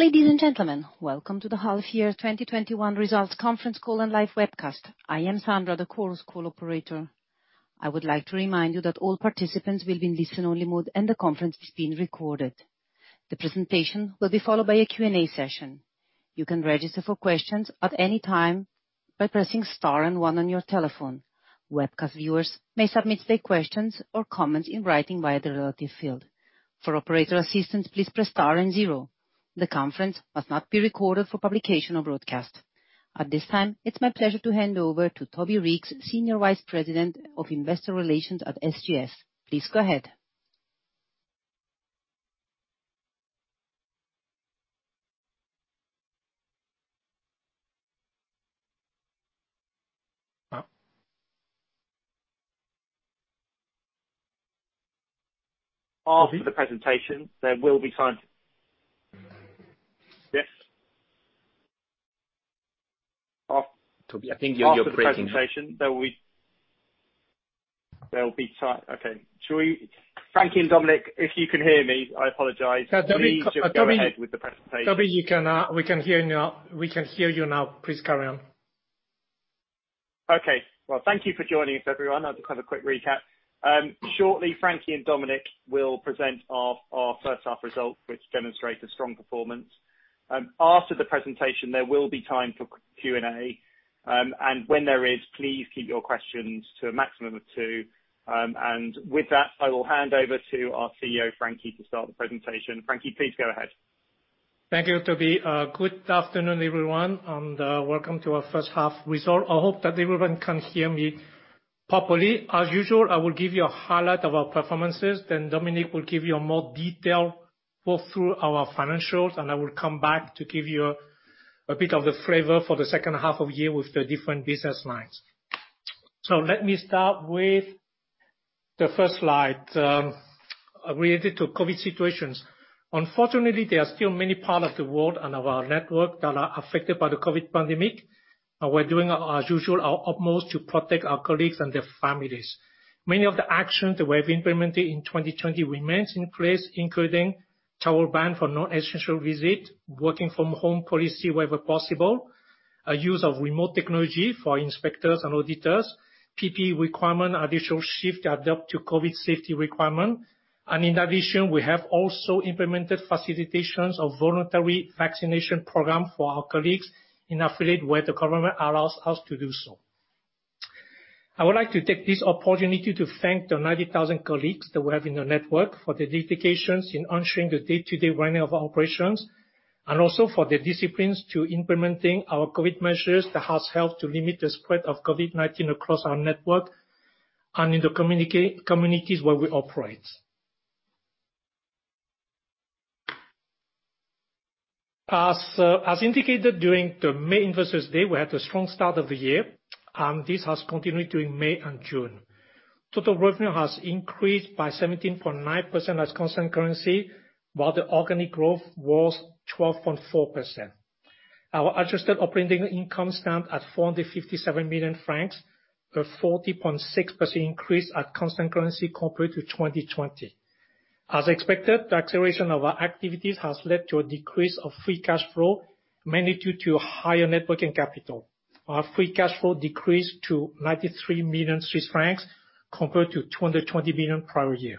Ladies and gentlemen, welcome to the half year 2021 results conference call and live webcast. I am Sandra, the Chorus Call operator. I would like to remind you that all participants will be in listen-only mode, and the conference is being recorded. The presentation will be followed by a Q&A session. You can register for questions at any time by pressing star and one on your telephone. Webcast viewers may submit their questions or comments in writing via the relative field. For operator assistance, please press star and zero. The conference must not be recorded for publication or broadcast. At this time, it's my pleasure to hand over to Toby Reeks, Senior Vice President, Investor Relations at SGS. Please go ahead. After the presentation, there will be time Yes? Toby, I think you're breaking up. After the presentation, there will be time. Okay. Frankie and Dominik, if you can hear me, I apologize. Yeah, Toby. Please just go ahead with the presentation. Toby, we can hear you now. Please carry on. Okay. Well, thank you for joining us, everyone. I'll just have a quick recap. Shortly, Frankie and Dominik will present our first half results, which demonstrate a strong performance. After the presentation, there will be time for Q&A. When there is, please keep your questions to a maximum of 2. With that, I will hand over to our CEO, Frankie, to start the presentation. Frankie, please go ahead. Thank you, Toby. Good afternoon, everyone, and welcome to our first half result. I hope that everyone can hear me properly. As usual, I will give you a highlight of our performances, then Dominik will give you more detail walk-through our financials, and I will come back to give you a bit of the flavor for the second half of the year with the different business lines. Let me start with the first slide, related to COVID-19 situations. Unfortunately, there are still many parts of the world and our network that are affected by the COVID-19 pandemic. We're doing, as usual, our utmost to protect our colleagues and their families. Many of the actions that we have implemented in 2020 remain in place, including travel ban for non-essential visits, working from home policy wherever possible, use of remote technology for inspectors and auditors, PPE requirement, additional shift adapted to COVID safety requirements. In addition, we have also implemented facilitation of voluntary vaccination programs for our colleagues in affiliates where the government allows us to do so. I would like to take this opportunity to thank the 90,000 colleagues that we have in the network for their dedication in ensuring the day-to-day running of our operations, and also for their discipline in implementing our COVID measures that have helped to limit the spread of COVID-19 across our network and in the communities where we operate. As indicated during the May Investors Day, we had a strong start of the year. This has continued during May and June. Total revenue has increased by 17.9% as constant currency, while the organic growth was 12.4%. Our adjusted operating income stand at 457 million francs, a 40.6% increase at constant currency compared to 2020. As expected, the acceleration of our activities has led to a decrease of free cash flow, mainly due to higher net working capital. Our free cash flow decreased to 93 million Swiss francs compared to 220 million prior year.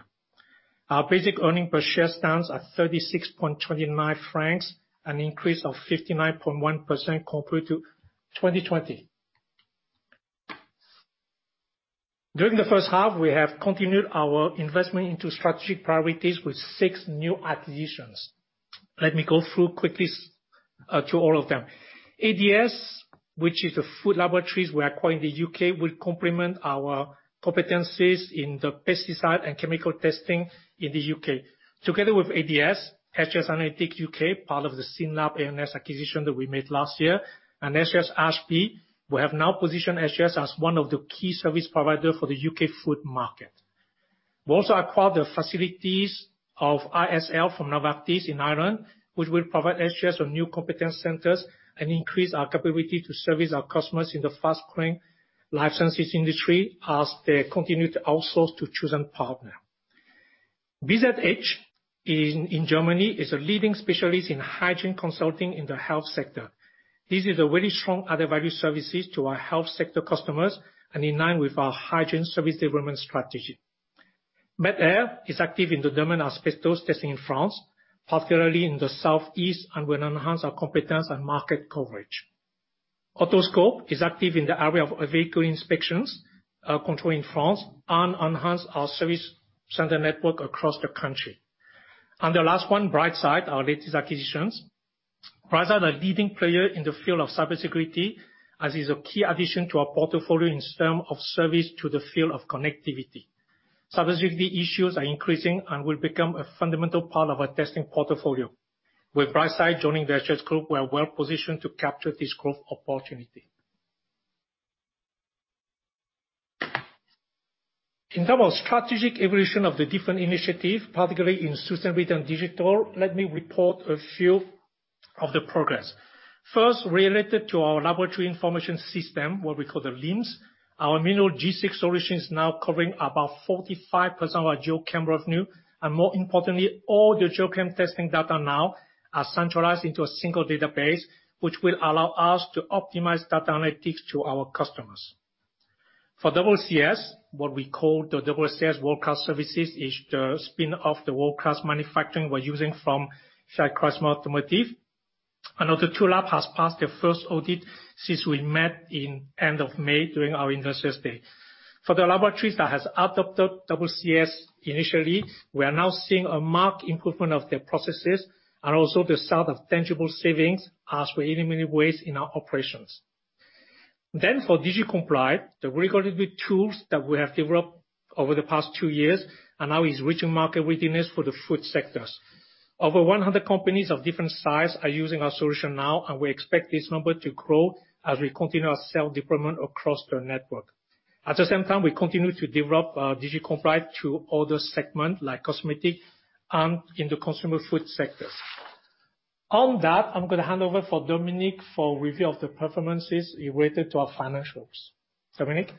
Our basic earning per share stands at 36.29 francs, an increase of 59.1% compared to 2020. During the first half, we have continued our investment into strategic priorities with six new acquisitions. Let me go through quickly to all of them. ADS, which is a food laboratories we acquired in the U.K., will complement our competencies in the pesticide and chemical testing in the U.K. Together with ADS, SGS Analytics U.K., part of the SYNLAB A&S acquisition that we made last year, and SGS Ashby, we have now positioned SGS as one of the key service provider for the U.K. food market. We also acquired the facilities of ISL from Novartis in Ireland, which will provide SGS with new competence centers and increase our capability to service our customers in the fast-growing life sciences industry as they continue to outsource to chosen partner. BZH in Germany is a leading specialist in hygiene consulting in the health sector. This is a very strong added-value services to our health sector customers and in line with our hygiene service development strategy. Metair Lab is active in the demand asbestos testing in France, particularly in the southeast, and will enhance our competence and market coverage. Autoscope is active in the area of vehicle inspections, control in France, enhance our service center network across the country. The last one, Brightsight, our latest acquisitions. Brightsight are a leading player in the field of cybersecurity as is a key addition to our portfolio in terms of service to the field of connectivity. Cybersecurity issues are increasing and will become a fundamental part of our testing portfolio. With Brightsight joining the SGS group, we are well-positioned to capture this growth opportunity. In terms of strategic evolution of the different initiative, particularly in sustainability and digital, let me report a few of the progress. Related to our laboratory information system, what we call the LIMS, our Mineral G6 solution is now covering about 45% of our GeoChem revenue, and more importantly, all the GeoChem testing data now are centralized into a single database, which will allow us to optimize data analytics to our customers. For WCS, what we call the WCS world-class services is the spin of the world-class manufacturing we're using from GE Automotive. Another two labs has passed their first audit since we met in end of May during our Investors Day. For the laboratories that has adopted WCS initially, we are now seeing a marked improvement of their processes, and also the start of tangible savings as we eliminate waste in our operations. For DigiComply, the regulatory tools that we have developed over the past two years are now is reaching market readiness for the food sectors. Over 100 companies of different size are using our solution now. We expect this number to grow as we continue our sales deployment across the network. At the same time, we continue to develop our Digicomply through other segment, like cosmetic and in the consumer food sectors. On that, I'm going to hand over for Dominik for review of the performances related to our financials. Dominik?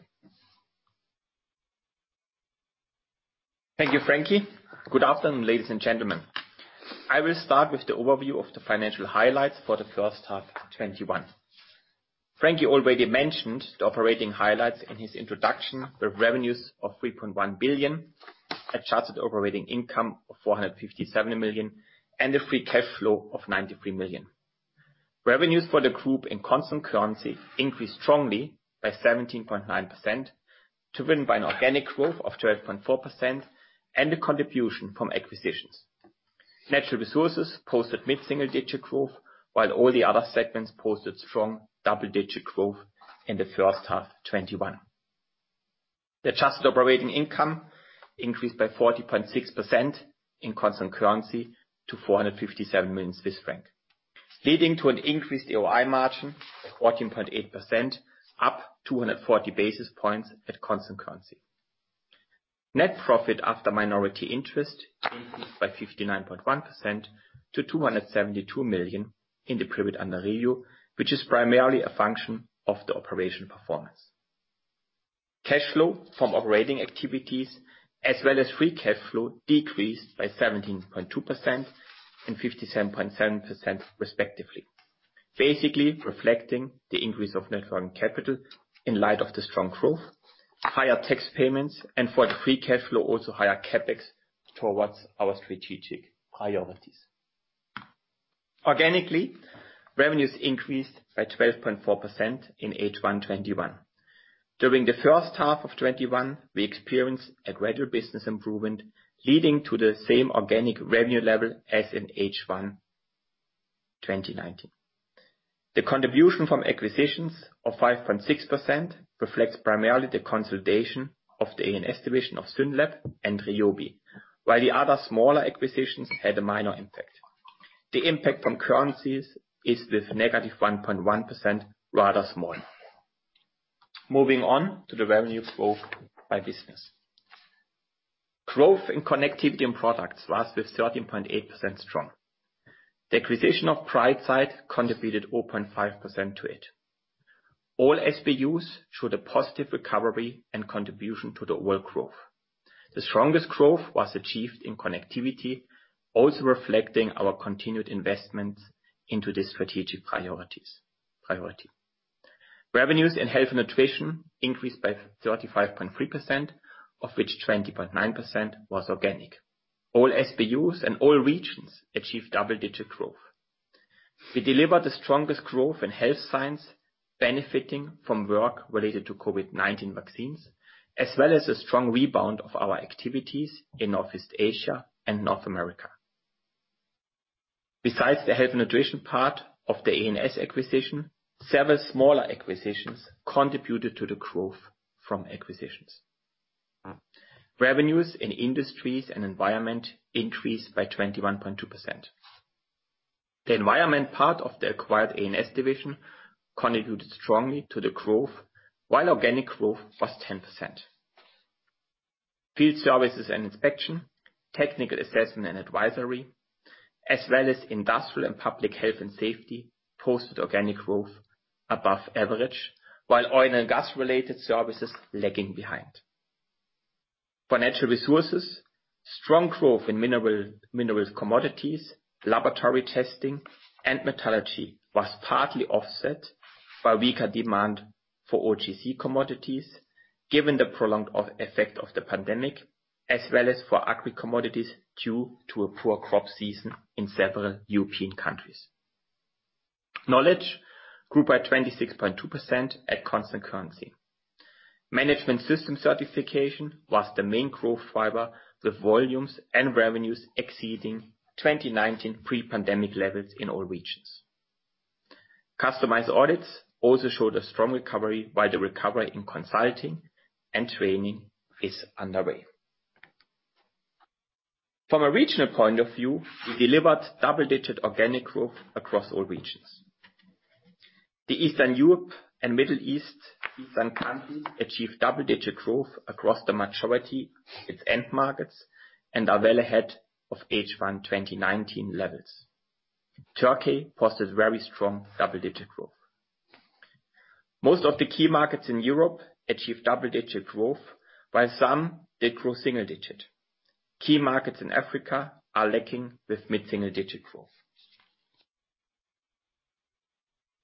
Thank you, Frankie. Good afternoon, ladies and gentlemen. I will start with the overview of the financial highlights for the H1 2021. Frankie already mentioned the operating highlights in his introduction, with revenues of 3.1 billion, adjusted operating income of 457 million, and the free cash flow of 93 million. Revenues for the group in constant currency increased strongly by 17.9%, driven by an organic growth of 12.4% and the contribution from acquisitions. Natural Resources posted mid-single digit growth, while all the other segments posted strong double-digit growth in the H1 2021. The adjusted operating income increased by 40.6% in constant currency to 457 million Swiss franc, leading to an increased AOI margin of 14.8%, up 240 basis points at constant currency. Net profit after minority interest increased by 59.1% to 272 million in the period under review, which is primarily a function of the operation performance. Cash flow from operating activities as well as free cash flow decreased by 17.2% and 57.7% respectively. Basically reflecting the increase of net foreign capital in light of the strong growth, higher tax payments, and for the free cash flow, also higher CapEx towards our strategic priorities. Organically, revenues increased by 12.4% in H1 2021. During the first half of 2021, we experienced a gradual business improvement leading to the same organic revenue level as in H1 2019. The contribution from acquisitions of 5.6% reflects primarily the consolidation of the A&S division of SYNLAB and Ryobi, while the other smaller acquisitions had a minor impact. The impact from currencies is, with -1.1%, rather small. Moving on to the revenue growth by business. Growth in Connectivity & Products was with 13.8% strong. The acquisition of Brightsight contributed 0.5% to it. All SBUs showed a positive recovery and contribution to the overall growth. The strongest growth was achieved in Connectivity, also reflecting our continued investment into this strategic priority. Revenues in Health and Nutrition increased by 35.3%, of which 20.9% was organic. All SBUs and all regions achieved double-digit growth. We delivered the strongest growth in Health and Nutrition, benefiting from work related to COVID-19 vaccines, as well as a strong rebound of our activities in Northeast Asia and North America. Besides the Health and Nutrition part of the A&S acquisition, several smaller acquisitions contributed to the growth from acquisitions. Revenues in Industries & Environment increased by 22.2%. The Environment part of the acquired A&S division contributed strongly to the growth, while organic growth was 10%. Field services and inspection, technical assessment and advisory, as well as industrial and public health and safety posted organic growth above average, while oil and gas related services lagging behind. For Natural Resources, strong growth in minerals commodities, laboratory testing, and metallurgy was partly offset by weaker demand for OGC commodities, given the prolonged effect of the pandemic, as well as for agri-commodities due to a poor crop season in several European countries. Knowledge grew by 26.2% at constant currency. Management system certification was the main growth driver, with volumes and revenues exceeding 2019 pre-pandemic levels in all regions. Customized audits also showed a strong recovery, while the recovery in consulting and training is underway. From a regional point of view, we delivered double-digit organic growth across all regions. The Eastern Europe and Middle East countries achieved double-digit growth across the majority its end markets and are well ahead of H1 2019 levels. Turkey posted very strong double-digit growth. Most of the key markets in Europe achieved double-digit growth, while some did grow single-digit. Key markets in Africa are lacking with mid-single-digit growth.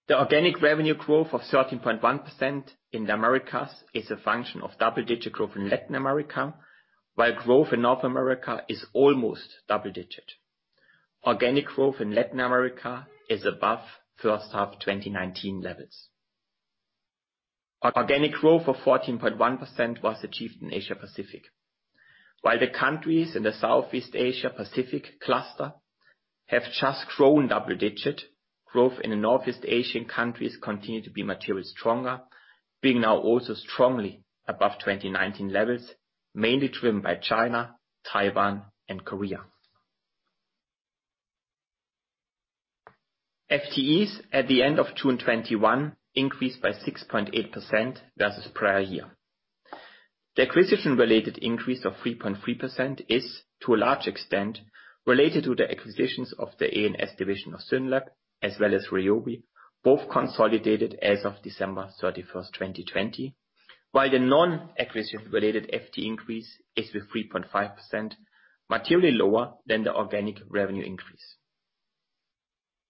The organic revenue growth of 13.1% in the Americas is a function of double-digit growth in Latin America, while growth in North America is almost double-digit. Organic growth in Latin America is above first half 2019 levels. Organic growth of 14.1% was achieved in Asia Pacific. While the countries in the Southeast Asia Pacific cluster have just grown double-digit, growth in the Northeast Asian countries continue to be materially stronger, being now also strongly above 2019 levels, mainly driven by China, Taiwan, and Korea. FTEs at the end of 2021 increased by 6.8% versus prior year. The acquisition-related increase of 3.3% is, to a large extent, related to the acquisitions of the A&S division of SYNLAB, as well as Ryobi, both consolidated as of December 31st, 2020. While the non-acquisition related FT increase is with 3.5%, materially lower than the organic revenue increase.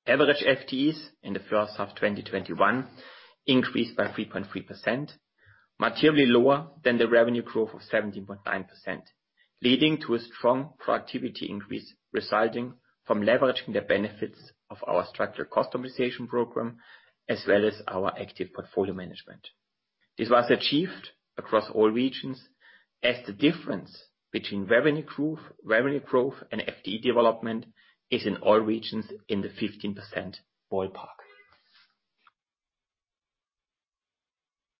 Average FTEs in the first half 2021 increased by 3.3%, materially lower than the revenue growth of 17.9%, leading to a strong productivity increase resulting from leveraging the benefits of our structural cost optimization program, as well as our active portfolio management. This was achieved across all regions as the difference between revenue growth and FTE development is in all regions in the 15% ballpark.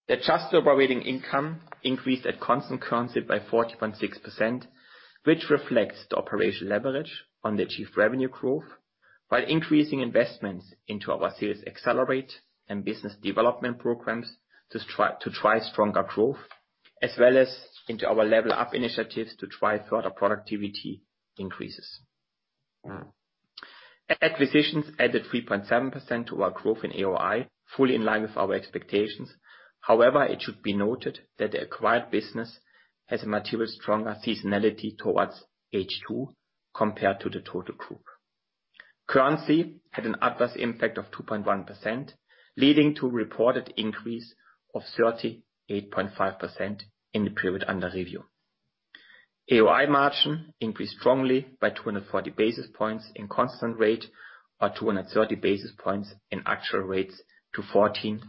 The adjusted operating income increased at constant currency by 40.6%, which reflects the operational leverage on the achieved revenue growth, while increasing investments into our sales accelerate and business development programs to drive stronger growth, as well as into our level up initiatives to drive further productivity increases. Acquisitions added 3.7% to our growth in AOI, fully in line with our expectations. However, it should be noted that the acquired business has a materially stronger seasonality towards H2 compared to the total group. Currency had an adverse impact of 2.1%, leading to a reported increase of 38.5% in the period under review. AOI margin increased strongly by 240 basis points in constant rate or 230 basis points in actual rates to 14.8%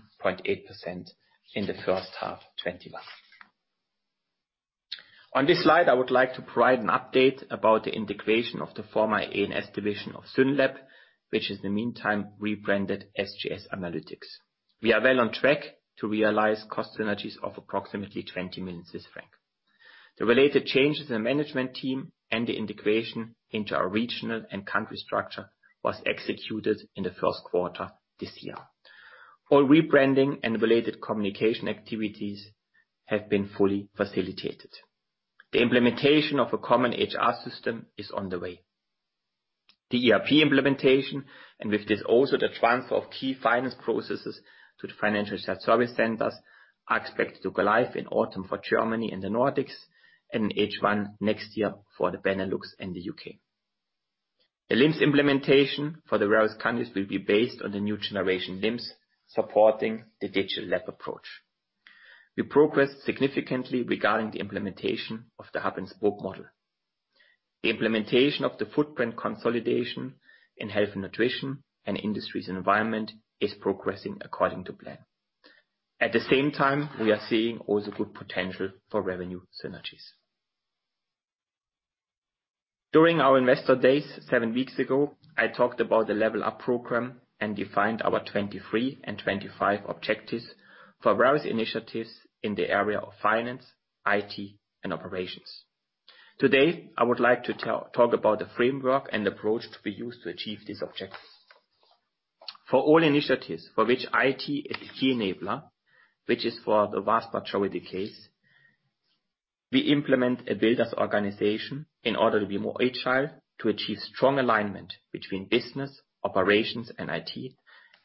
in the first half 2021. On this slide, I would like to provide an update about the integration of the former A&S division of SYNLAB, which is in the meantime rebranded SGS Analytics. We are well on track to realize cost synergies of approximately 20 million francs. The related changes in the management team and the integration into our regional and country structure was executed in the first quarter this year. All rebranding and related communication activities have been fully facilitated. The implementation of a common HR system is on the way. The ERP implementation, and with this, also the transfer of key finance processes to the financial service centers are expected to go live in autumn for Germany and the Nordics, and in H1 next year for the Benelux and the U.K. The LIMS implementation for the various countries will be based on the new generation LIMS supporting the digital lab approach. We progressed significantly regarding the implementation of the hub-and-spoke model. The implementation of the footprint consolidation in Health and Nutrition and Industries & Environment is progressing according to plan. At the same time, we are seeing also good potential for revenue synergies. During our investor days, seven weeks ago, I talked about the Level Up program and defined our 2023 and 2025 objectives for various initiatives in the area of finance, IT, and operations. Today, I would like to talk about the framework and approach to be used to achieve these objectives. For all initiatives for which IT is the key enabler, which is for the vast majority case, we implement a builders organization in order to be more agile, to achieve strong alignment between business, operations, and IT,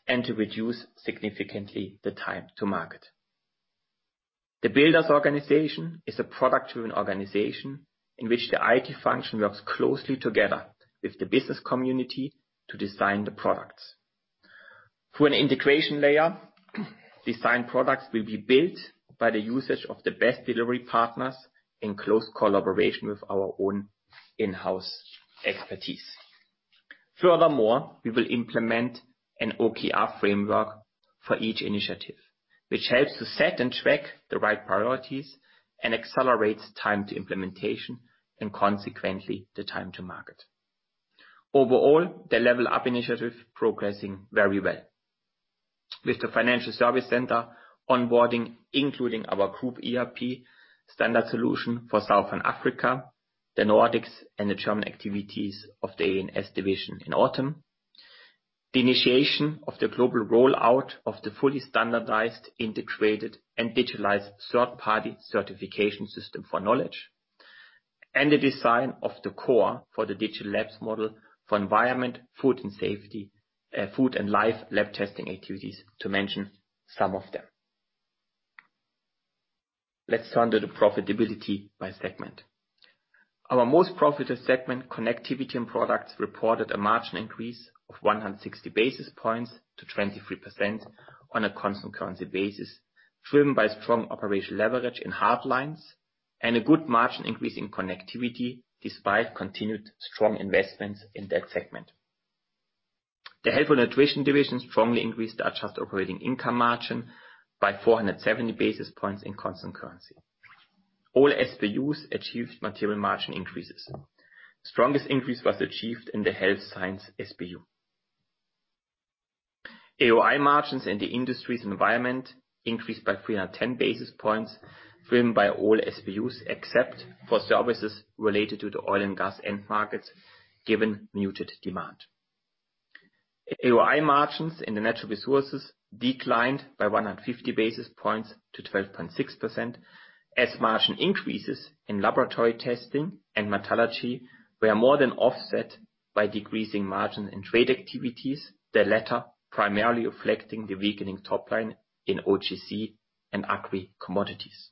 and to reduce significantly the time to market. The builders organization is a product-driven organization in which the IT function works closely together with the business community to design the products. Through an integration layer design products will be built by the usage of the best delivery partners in close collaboration with our own in-house expertise. Furthermore, we will implement an OKR framework for each initiative, which helps to set and track the right priorities and accelerates time to implementation and consequently the time to market. Overall, the level up initiative is progressing very well with the Financial Service Center Onboarding, including our group ERP standard solution for South Africa, the Nordics, and the German activities of the A&S division in autumn. The initiation of the global rollout of the fully standardized, integrated, and digitalized third-party certification system for Knowledge, and the design of the core for the digital lab model for environment, food and life lab testing activities, to mention some of them. Let's turn to the profitability by segment. Our most profitable segment, Connectivity & Products, reported a margin increase of 160 basis points to 23% on a constant currency basis, driven by strong operational leverage in hard lines and a good margin increase in connectivity despite continued strong investments in that segment. The Health and Nutrition division strongly increased the adjusted operating income margin by 470 basis points in constant currency. All SBUs achieved material margin increases. Strongest increase was achieved in the health science SBU. AOI margins in the Industries & Environment increased by 310 basis points, driven by all SBUs except for services related to the oil and gas end markets, given muted demand. AOI margins in the Natural Resources declined by 150 basis points to 12.6%, as margin increases in laboratory testing and metallurgy were more than offset by decreasing margin in trade activities, the latter primarily reflecting the weakening top line in OGC and agri-commodities.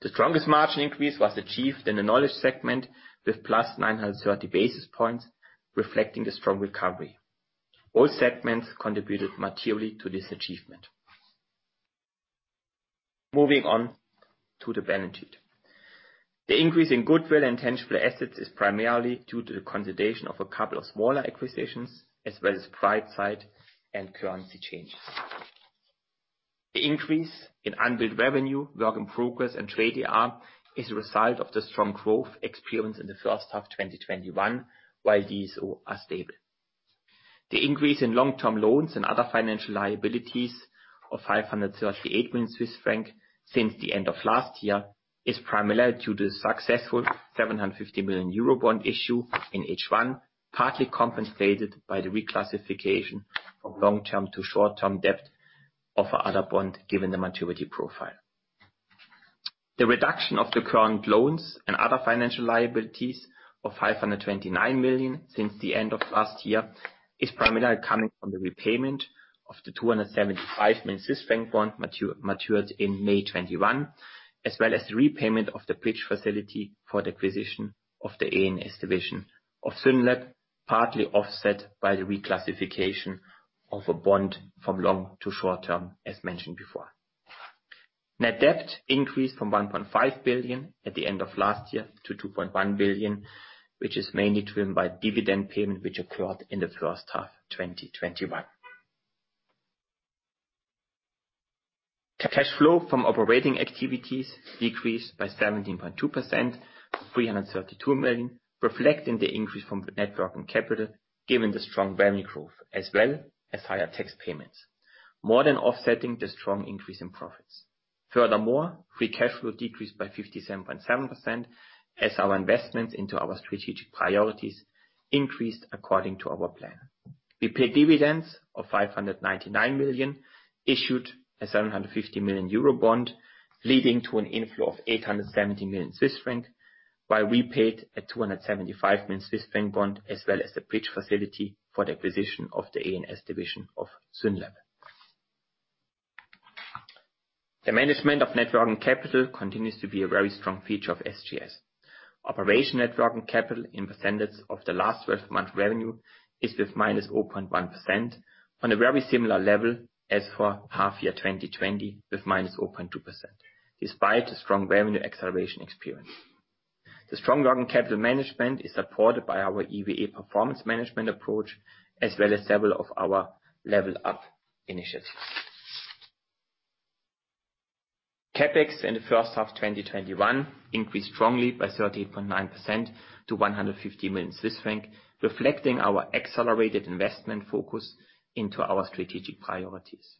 The strongest margin increase was achieved in the Knowledge segment with +930 basis points, reflecting the strong recovery. All segments contributed materially to this achievement. Moving on to the balance sheet. The increase in goodwill and tangible assets is primarily due to the consolidation of a couple of smaller acquisitions, as well as price side and currency changes. The increase in unbilled revenue, work in progress, and trade AR is a result of the strong growth experienced in the first half 2021, while DSO are stable. The increase in long-term loans and other financial liabilities of 538 million Swiss franc since the end of last year is primarily due to the successful 750 million euro bond issue in H1, partly compensated by the reclassification of long-term to short-term debt of another bond, given the maturity profile. The reduction of the current loans and other financial liabilities of 529 million since the end of last year is primarily coming from the repayment of the 275 million Swiss franc bond matured in May 2021, as well as the repayment of the bridge facility for the acquisition of the A&S division of SYNLAB, partly offset by the reclassification of a bond from long to short term, as mentioned before. Net debt increased from 1.5 billion at the end of last year to 2.1 billion, which is mainly driven by dividend payment, which occurred in the first half 2021. Cash flow from operating activities decreased by 17.2% to 332 million, reflecting the increase from net working capital given the strong revenue growth, as well as higher tax payments, more than offsetting the strong increase in profits. Furthermore, free cash flow decreased by 57.7% as our investments into our strategic priorities increased according to our plan. We paid dividends of 599 million, issued a 750 million euro bond, leading to an inflow of 870 million Swiss franc, while repaid a 275 million Swiss franc bond, as well as the bridge facility for the acquisition of the A&S division of SYNLAB. The management of net working capital continues to be a very strong feature of SGS. Operation net working capital in percentage of the last 12 months revenue is with -0.1% on a very similar level as for half year 2020 with -0.2%, despite the strong revenue acceleration experienced. The strong working capital management is supported by our EVA performance management approach, as well as several of our level up initiatives. CapEx in H1 2021 increased strongly by 38.9% to 150 million Swiss franc, reflecting our accelerated investment focus into our strategic priorities.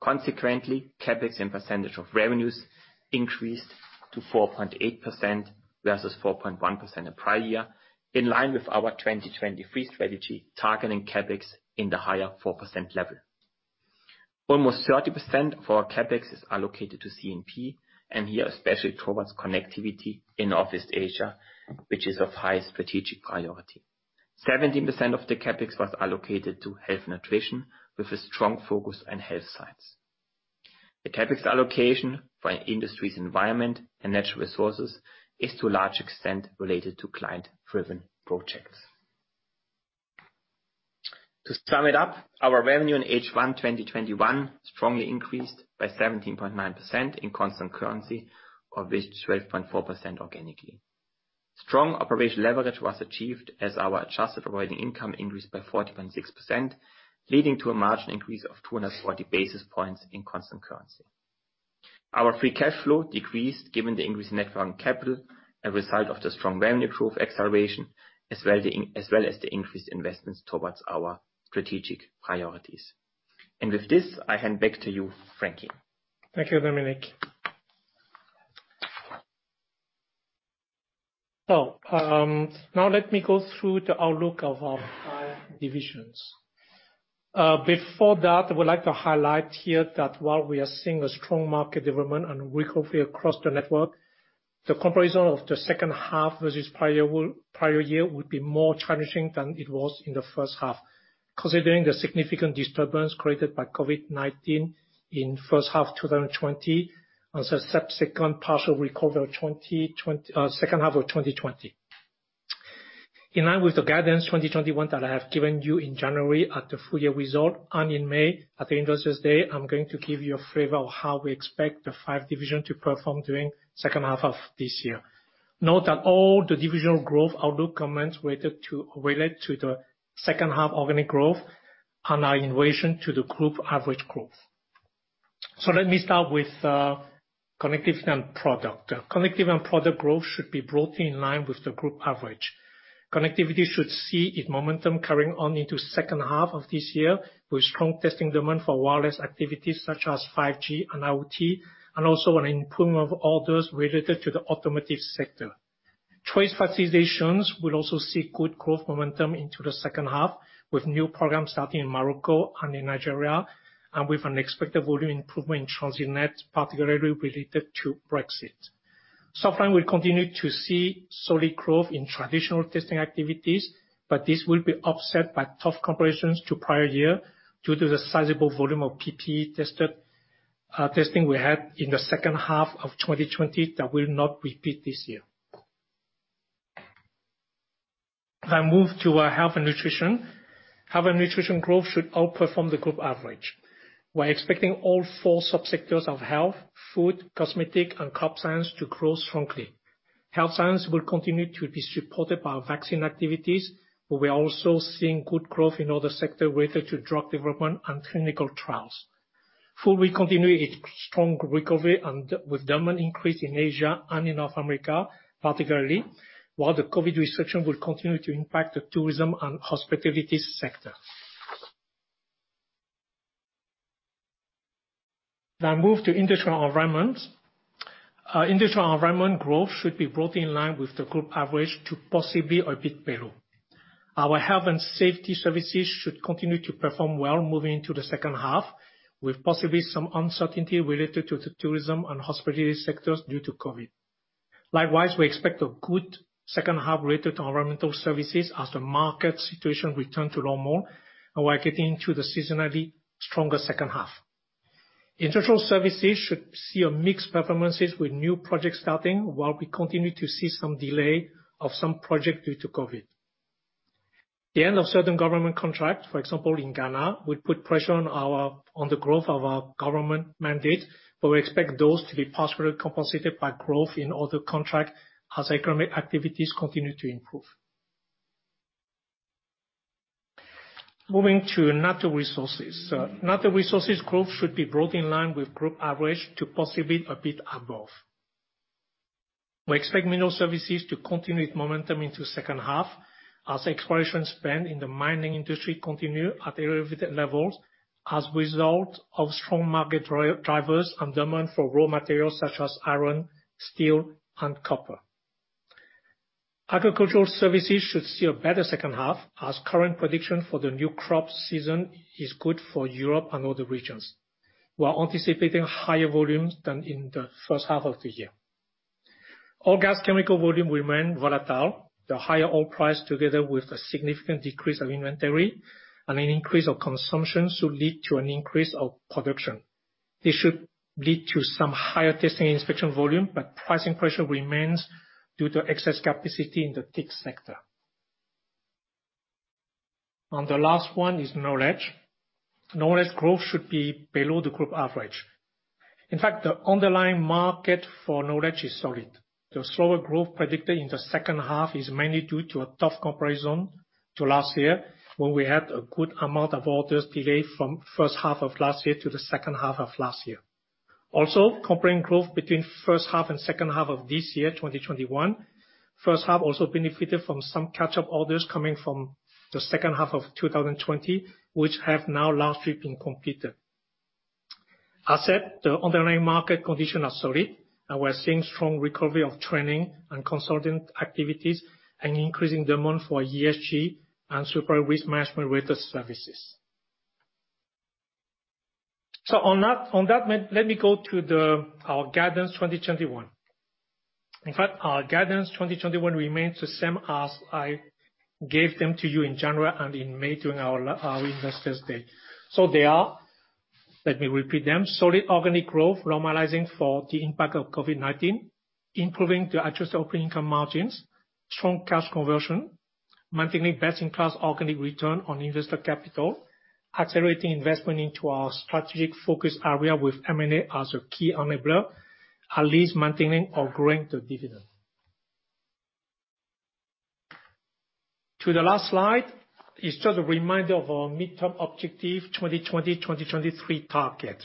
CapEx and percentage of revenues increased to 4.8% versus 4.1% the prior year, in line with our 2023 strategy targeting CapEx in the higher 4% level. Almost 30% for our CapEx is allocated to C&P, and here especially towards connectivity in Northeast Asia, which is of high strategic priority. 17% of the CapEx was allocated to Health and Nutrition, with a strong focus on health science. The CapEx allocation for Industries, Environment, and Natural Resources is to a large extent related to client driven projects. To sum it up, our revenue in H1 2021 strongly increased by 17.9% in constant currency, of which 12.4% organically. Strong operational leverage was achieved as our adjusted operating income increased by 40.6%, leading to a margin increase of 240 basis points in constant currency. Our free cash flow decreased given the increase in net working capital, a result of the strong revenue growth acceleration, as well as the increased investments towards our strategic priorities. With this, I hand back to you, Frankie. Thank you, Dominik. Now let me go through the outlook of our five divisions. Before that, I would like to highlight here that while we are seeing a strong market development and recovery across the network, the comparison of H2 versus prior year would be more challenging than it was in H1, considering the significant disturbance created by COVID-19 in H1 2020, and the subsequent partial recovery H2 2020. In line with the guidance 2021 that I have given you in January at the full-year result, and in May at the Investors Day, I'm going to give you a flavor of how we expect the five division to perform during H2 of this year. Note that all the divisional growth outlook comments related to H2 organic growth and our in relation to the group average growth. Let me start with Connectivity & Products. Connectivity & Products growth should be broadly in line with the group average. Connectivity should see its momentum carrying on into second half of this year, with strong testing demand for wireless activities such as 5G and IoT, and also an improvement of orders related to the automotive sector. Choice vaccinations will also see good growth momentum into the second half, with new programs starting in Morocco and in Nigeria, and with an expected volume improvement in TransitNet, particularly related to Brexit. Software will continue to see solid growth in traditional testing activities, but this will be offset by tough comparisons to prior year due to the sizable volume of PPE testing we had in the second half of 2020 that will not repeat this year. If I move to our Health and Nutrition. Health and Nutrition growth should outperform the group average. We're expecting all four sub-sectors of health, food, cosmetic, and crop science to grow strongly. Health science will continue to be supported by our vaccine activities, but we are also seeing good growth in other sector related to drug development and clinical trials. Food will continue its strong recovery and with demand increase in Asia and in North America particularly, while the COVID-19 restriction will continue to impact the tourism and hospitalities sector. I move to Industries & Environment. Industries & Environment growth should be broadly in line with the group average to possibly a bit below. Our health and safety services should continue to perform well moving into the second half, with possibly some uncertainty related to the tourism and hospitality sectors due to COVID-19. Likewise, we expect a good second half related to environmental services as the market situation return to normal, and we're getting into the seasonally stronger second half. Industrial services should see a mixed performances with new projects starting, while we continue to see some delay of some project due to COVID-19. The end of certain government contracts, for example, in Ghana, would put pressure on the growth of our government mandate, but we expect those to be partially compensated by growth in other contract as economic activities continue to improve. Moving to Natural Resources. Natural Resources growth should be broadly in line with group average to possibly a bit above. We expect Mineral Services to continue its momentum into second half as exploration spend in the mining industry continue at elevated levels as a result of strong market drivers and demand for raw materials such as iron, steel and copper. Agricultural services should see a better second half as current prediction for the new crop season is good for Europe and other regions. We are anticipating higher volumes than in the first half of the year. Oil gas chemical volume remain volatile. The higher oil price, together with a significant decrease of inventory and an increase of consumption, should lead to an increase of production. This should lead to some higher testing and inspection volume. Pricing pressure remains due to excess capacity in the TIC sector. The last one is Knowledge. Knowledge growth should be below the group average. In fact, the underlying market for Knowledge is solid. The slower growth predicted in the second half is mainly due to a tough comparison to last year, where we had a good amount of orders delayed from first half of last year to the second half of last year. Also, comparing growth between first half and second half of this year, 2021, first half also benefited from some catch-up orders coming from the second half of 2020, which have now largely been completed. As said, the underlying market condition are solid, and we are seeing strong recovery of training and consultant activities, and increasing demand for ESG and cyber risk management related services. On that note, let me go to our guidance 2021. In fact, our guidance 2021 remains the same as I gave them to you in January and in May during our Investors Day. They are, let me repeat them. Solid organic growth normalizing for the impact of COVID-19. Improving the adjusted operating income margins. Strong cash conversion. Maintaining best-in-class organic return on investor capital. Accelerating investment into our strategic focus area with M&A as a key enabler. At least maintaining or growing the dividend. To the last slide. It's just a reminder of our midterm objective 2020-2023 target.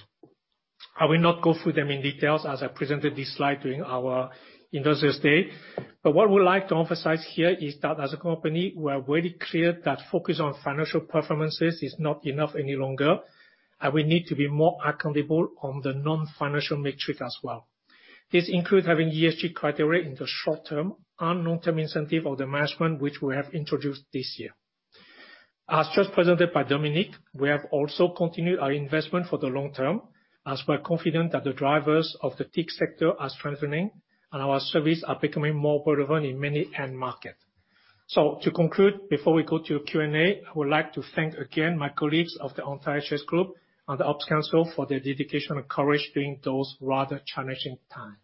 I will not go through them in details as I presented this slide during our Investors Day. What I would like to emphasize here is that as a company, we are very clear that focus on financial performances is not enough any longer. We need to be more accountable on the non-financial metrics as well. This includes having ESG criteria in the short-term and long-term incentive of the management, which we have introduced this year. As just presented by Dominik, we have also continued our investment for the long term, as we're confident that the drivers of the TIC sector are strengthening and our services are becoming more relevant in many end markets. To conclude, before we go to Q&A, I would like to thank again my colleagues of the entire SGS Group and the Operations Council for their dedication and courage during those rather challenging time.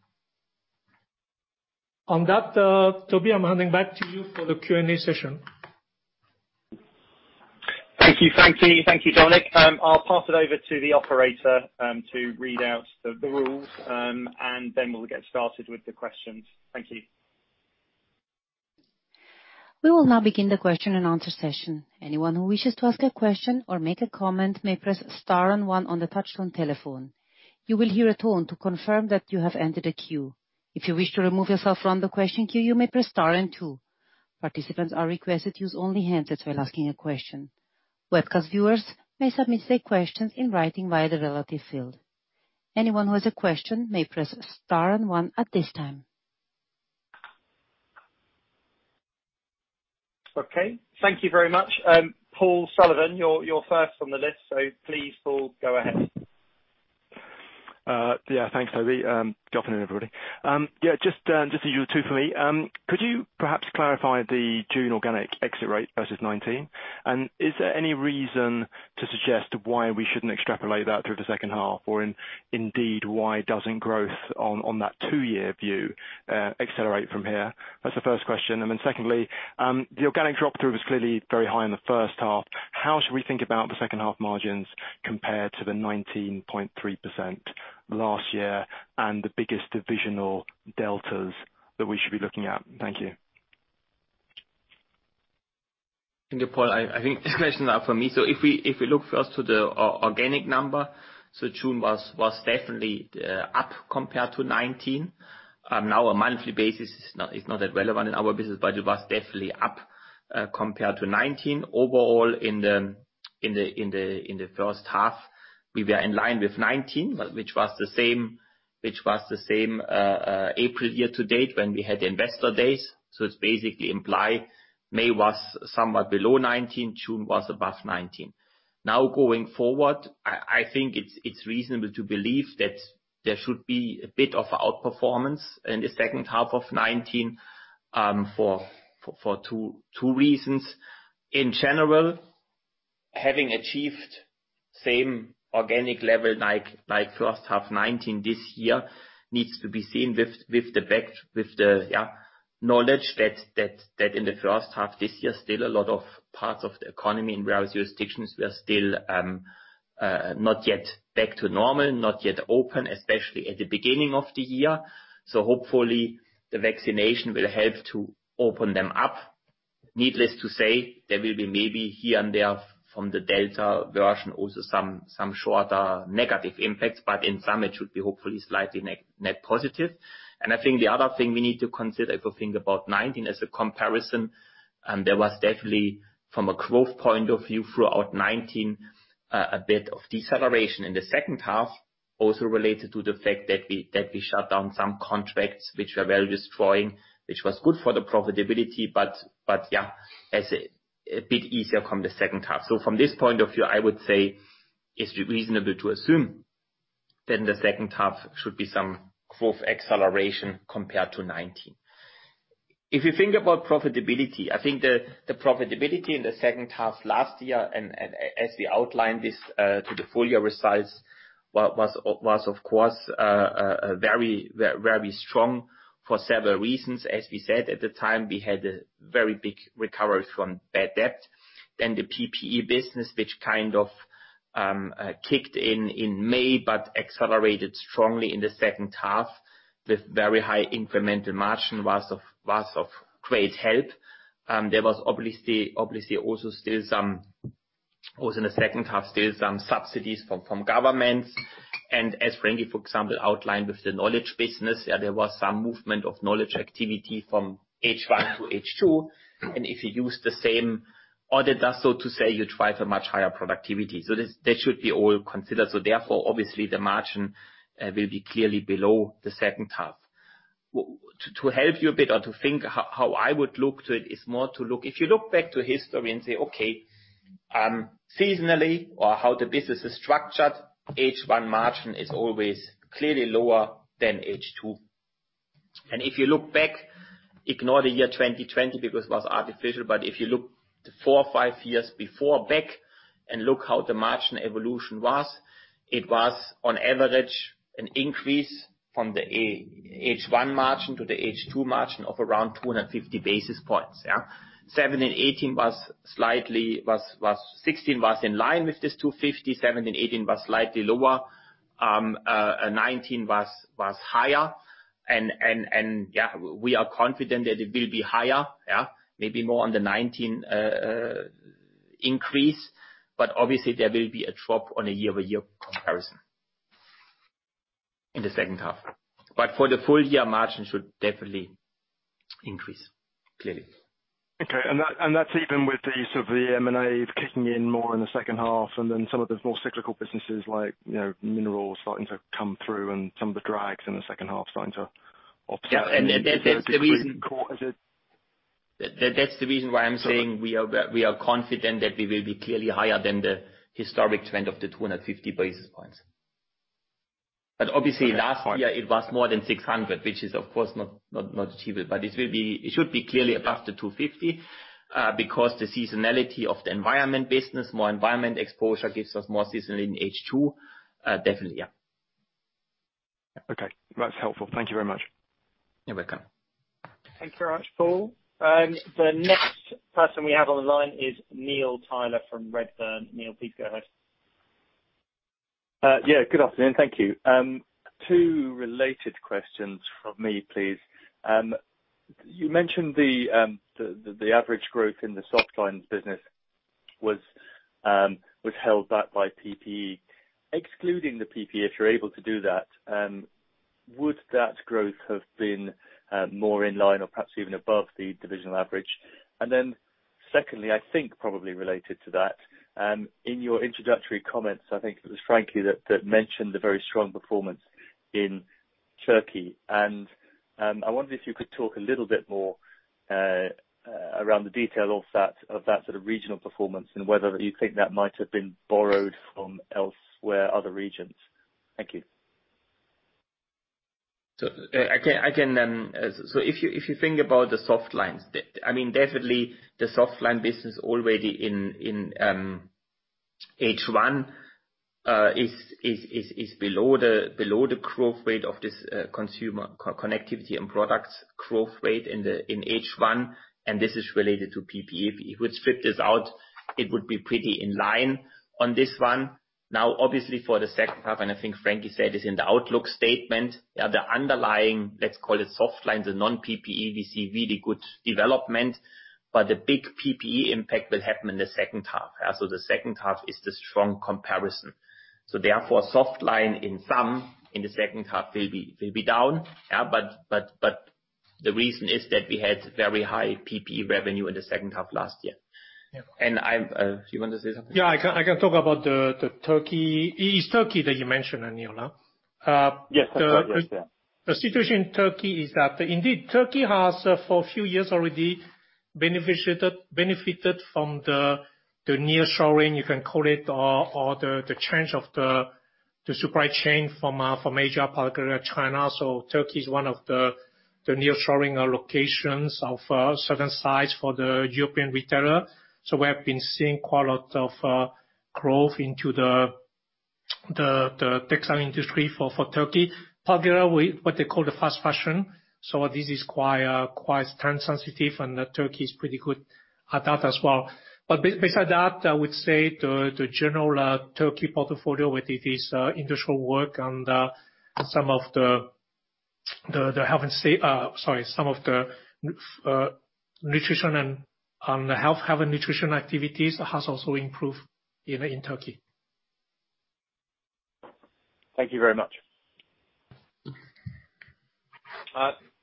On that, Toby, I'm handing back to you for the Q&A session. Thank you, Frankie. Thank you, Dominik. I'll pass it over to the operator to read out the rules, and then we'll get started with the questions. Thank you. We will now begin the question and answer session. Anyone who wishes to ask a question or make a comment may press star and one on the touch-tone telephone. You will hear a tone to confirm that you have entered a queue. If you wish to remove yourself from the question queue, you may press star and two. Participants are requested use only hands that while asking a question. Webcast viewers may submit their questions in writing via the relative field. Anyone who has a question may press star and one at this time. Okay. Thank you very much. Paul Sullivan, you're first on the list, so please, Paul, go ahead. Yeah, thanks, Toby. Good afternoon, everybody. Just you two for me. Could you perhaps clarify the June organic exit rate versus 2019? Is there any reason to suggest why we shouldn't extrapolate that through the second half? Indeed, why doesn't growth on that two-year view accelerate from here? That's the first question. Secondly, the organic drop-through was clearly very high in the first half. How should we think about the second half margins compared to the 19.3% last year and the biggest divisional deltas that we should be looking at? Thank you. Thank you, Paul. I think this question is for me. If we look first to the organic number. June was definitely up compared to 2019. A monthly basis is not that relevant in our business, but it was definitely up compared to 2019. Overall in the first half, we were in line with 2019, which was the same April year to date when we had the investor days. It basically imply May was somewhat below 2019, June was above 2019. Going forward, I think it's reasonable to believe that there should be a bit of outperformance in the second half of 2019 for two reasons. In general, having achieved same organic level like first half 2019 this year needs to be seen with the knowledge that in the first half this year still a lot of parts of the economy in various jurisdictions were still not yet back to normal, not yet open, especially at the beginning of the year. Hopefully the vaccination will help to open them up. Needless to say, there will be maybe here and there from the Delta variant also some shorter negative impacts, but in sum it should be hopefully slightly net positive. I think the other thing we need to consider if we think about 2019 as a comparison, there was definitely from a growth point of view throughout 2019, a bit of deceleration in the second half also related to the fact that we shut down some contracts which were value destroying, which was good for the profitability, but yeah, as a bit easier come the second half. From this point of view, I would say it's reasonable to assume that in the second half should be some growth acceleration compared to 2019. If you think about profitability, I think the profitability in the second half last year and as we outlined this to the full year results was of course very strong for several reasons. As we said at the time, we had a very big recovery from bad debt. The PPE business which kind of kicked in in May but accelerated strongly in the second half with very high incremental margin was of great help. There was obviously also in the second half still some subsidies from governments. As Frankie for example outlined with the Knowledge business, there was some movement of Knowledge activity from H1 to H2. If you use the same auditor so to say you drive a much higher productivity. That should be all considered. Therefore obviously the margin will be clearly below the second half. To help you a bit or to think how I would look to it. If you look back to history and say, okay, seasonally or how the business is structured, H1 margin is always clearly lower than H2. If you look back, ignore the year 2020 because it was artificial, but if you look 4 or 5 years before back and look how the margin evolution was, it was on average an increase from the H1 margin to the H2 margin of around 250 basis points, yeah. 2016 was in line with this 250, 2017 and 2018 was slightly lower, 2019 was higher and yeah, we are confident that it will be higher, yeah. Maybe more on the 2019 increase, but obviously there will be a drop on a year-over-year comparison in the second half. For the full year, margin should definitely increase, clearly. Okay. That's even with the M&A kicking in more in the second half, some of the more cyclical businesses like Minerals starting to come through, some of the drags in the second half starting to offset. Yeah. That's the reason why I'm saying we are confident that we will be clearly higher than the historic trend of the 250 basis points. Obviously, last year it was more than 600, which is, of course, not achievable. It should be clearly above the 250, because the seasonality of the environment business, more environment exposure gives us more seasonality in H2. Definitely, yeah. Okay. That's helpful. Thank you very much. You're welcome. Thank you very much, Paul. The next person we have on the line is Neil Tyler from Redburn. Neil, please go ahead. Yeah, good afternoon. Thank you. Two related questions from me, please. You mentioned the average growth in the softlines business was held back by PPE. Excluding the PPE, if you're able to do that, would that growth have been more in line or perhaps even above the divisional average? Secondly, I think probably related to that, in your introductory comments, I think it was Frankie that mentioned the very strong performance in Turkey. I wondered if you could talk a little bit more around the detail of that regional performance, and whether you think that might have been borrowed from elsewhere, other regions. Thank you. If you think about the softlines, definitely the softline business already in H1 is below the growth rate of this consumer Connectivity & Products growth rate in H1, and this is related to PPE. If you would strip this out, it would be pretty in line on this one. Obviously, for the second half, and I think Frankie said this in the outlook statement, the underlying, let's call it softlines and non-PPE, we see really good development. The big PPE impact will happen in the second half. The second half is the strong comparison. Therefore, softline in sum in the second half will be down. The reason is that we had very high PPE revenue in the second half last year. Do you want to say something? Yeah. I can talk about Turkey. It's Turkey that you mentioned, Neil? Yes. The situation in Turkey is that indeed, Turkey has for a few years already benefited from the near-shoring, you can call it, or the change of the supply chain from Asia, particularly China. Turkey is one of the nearshoring locations of a certain size for the European retailer. We have been seeing quite a lot of growth into the textile industry for Turkey, particularly with what they call the fast fashion. This is quite trend sensitive, and Turkey is pretty good at that as well. Beside that, I would say the general Turkey portfolio with this industrial work and some of the Health and Nutrition activities has also improved in Turkey. Thank you very much.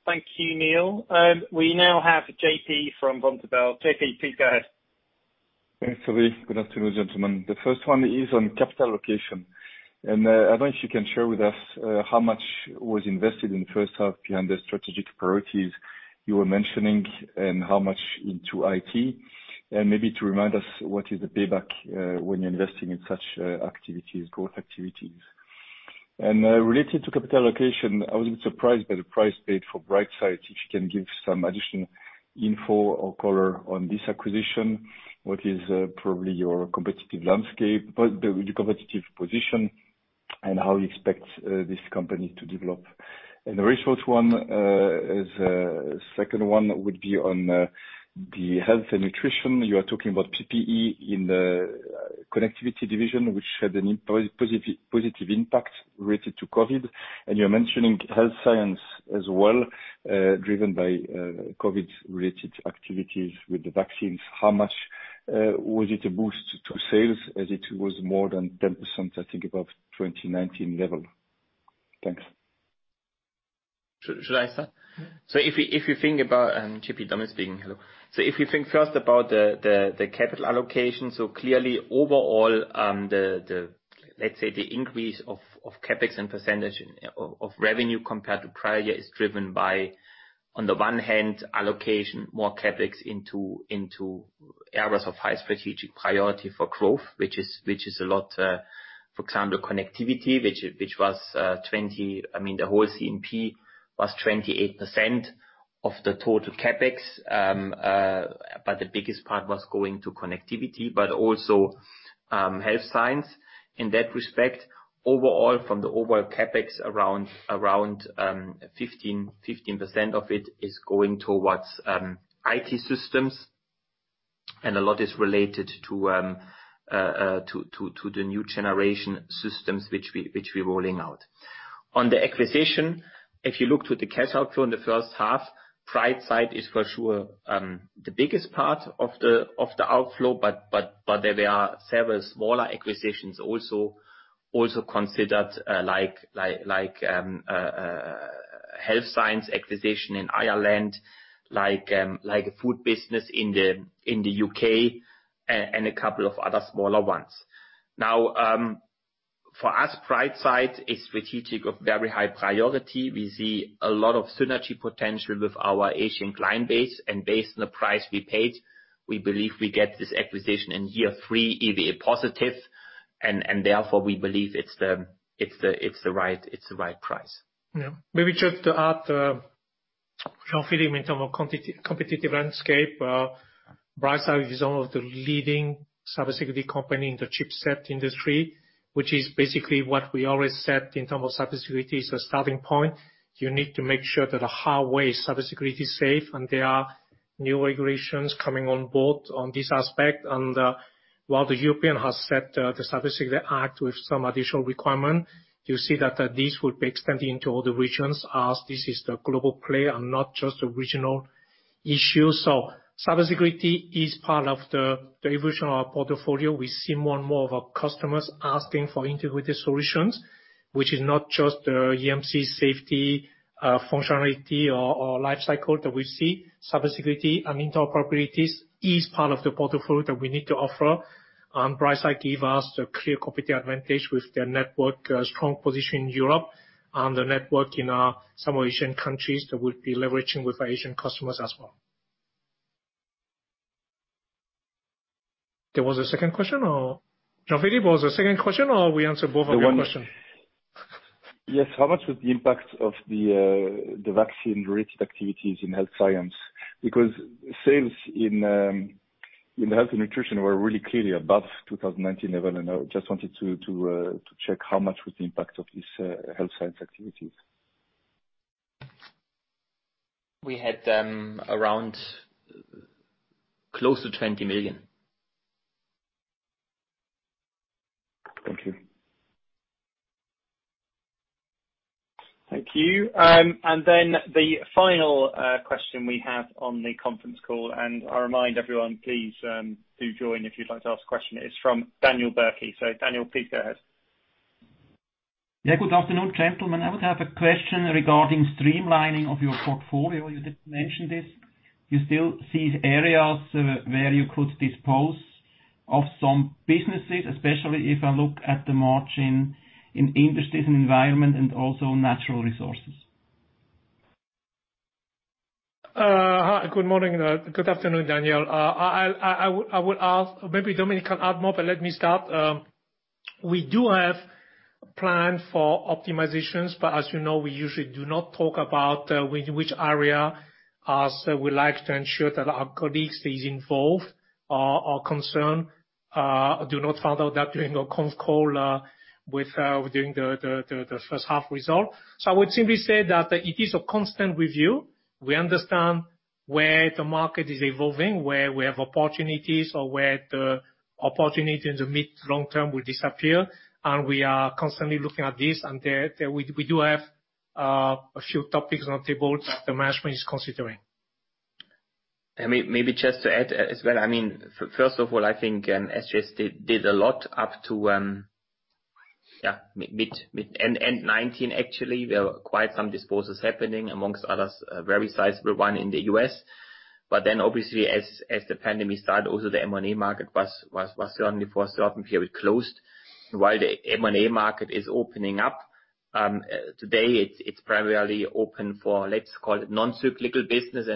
Thank you, Neil. We now have J.P. from Vontobel. J.P., please go ahead. Thanks, Toby. Good afternoon, gentlemen. The first one is on capital allocation. I don't know if you can share with us how much was invested in the first half behind the strategic priorities you were mentioning, and how much into IT? Maybe to remind us, what is the payback when you're investing in such growth activities? Related to capital allocation, I was a bit surprised by the price paid for Brightsight. If you can give some additional info or color on this acquisition, what is probably your competitive position and how you expect this company to develop? The very short one, second one would be on the Health and Nutrition. You are talking about PPE in the Connectivity division, which had a positive impact related to COVID. You're mentioning health science as well, driven by COVID-related activities with the vaccines. How much was it a boost to sales, as it was more than 10%, I think above 2019 level? Thanks. Should I start? JP, Dominik speaking. Hello. If you think first about the capital allocation, clearly overall the, let's say the increase of CapEx and percentage of revenue compared to prior year is driven by, on the one hand, allocation more CapEx into areas of high strategic priority for growth, which is a lot. For example, Connectivity & Products, the whole C&P was 28% of the total CapEx. The biggest part was going to Connectivity & Products, but also Health and Nutrition. In that respect, overall from the overall CapEx, around 15% of it is going towards IT systems, and a lot is related to the new generation systems which we're rolling out. On the acquisition, if you look to the cash outflow in the first half, Brightsight is for sure the biggest part of the outflow, but there were several smaller acquisitions also considered like Health science acquisition in Ireland, like a food business in the U.K., and a couple of other smaller ones. For us, Brightsight is strategic of very high priority. We see a lot of synergy potential with our Asian client base, and based on the price we paid, we believe we get this acquisition in year 3 EBITDA positive, and therefore, we believe it's the right price. Maybe just to add, Jean-Philippe, in terms of competitive landscape, Brightsight is one of the leading cybersecurity company in the chipset industry, which is basically what we always said in terms of cybersecurity as a starting point. You need to make sure that the highway is cybersecurity safe, there are new regulations coming on board on this aspect. While the European has set the Cybersecurity Act with some additional requirement, you see that this would be extended into other regions, as this is the global play and not just a regional issue. Cybersecurity is part of the evolution of our portfolio. We see more and more of our customers asking for integrated solutions, which is not just the EMC safety functionality or life cycle that we see. Cybersecurity and interoperability is part of the portfolio that we need to offer. Brightsight give us the clear competitive advantage with their network, strong position in Europe and the network in some Asian countries that would be leveraging with our Asian customers as well. There was a second question or? Jean-Philippe, was there a second question or we answered both of your question? Yes. How much was the impact of the vaccine-related activities in health science? Sales in the Health and Nutrition were really clearly above 2019 level, and I just wanted to check how much was the impact of this health science activities. We had around close to CHF 20 million. Thank you. Thank you. The final question we have on the conference call, and I remind everyone, please do join if you'd like to ask a question. It's from Daniel Berky. Daniel, please go ahead. Yeah. Good afternoon, gentlemen. I would have a question regarding streamlining of your portfolio. You did mention this. You still see areas where you could dispose of some businesses, especially if I look at the margin in Industries & Environment and also Natural Resources. Hi, good morning. Good afternoon, Daniel. I would ask, maybe Dominik can add more, but let me start. We do have plan for optimizations, but as you know, we usually do not talk about which area, as we like to ensure that our colleagues is involved or concerned, do not find out that during a conf call with doing the first half result. I would simply say that it is a constant review. We understand where the market is evolving, where we have opportunities, or where the opportunity in the mid, long term will disappear. We are constantly looking at this, and there, we do have a few topics on the table that the management is considering. Maybe just to add as well. I think SGS did a lot up to mid-end 2019, actually. There were quite some disposals happening, amongst others, a very sizable one in the U.S. Obviously, as the pandemic started, also the M&A market was certainly for a certain period closed. While the M&A market is opening up, today it's primarily open for, let's call it, non-cyclical business.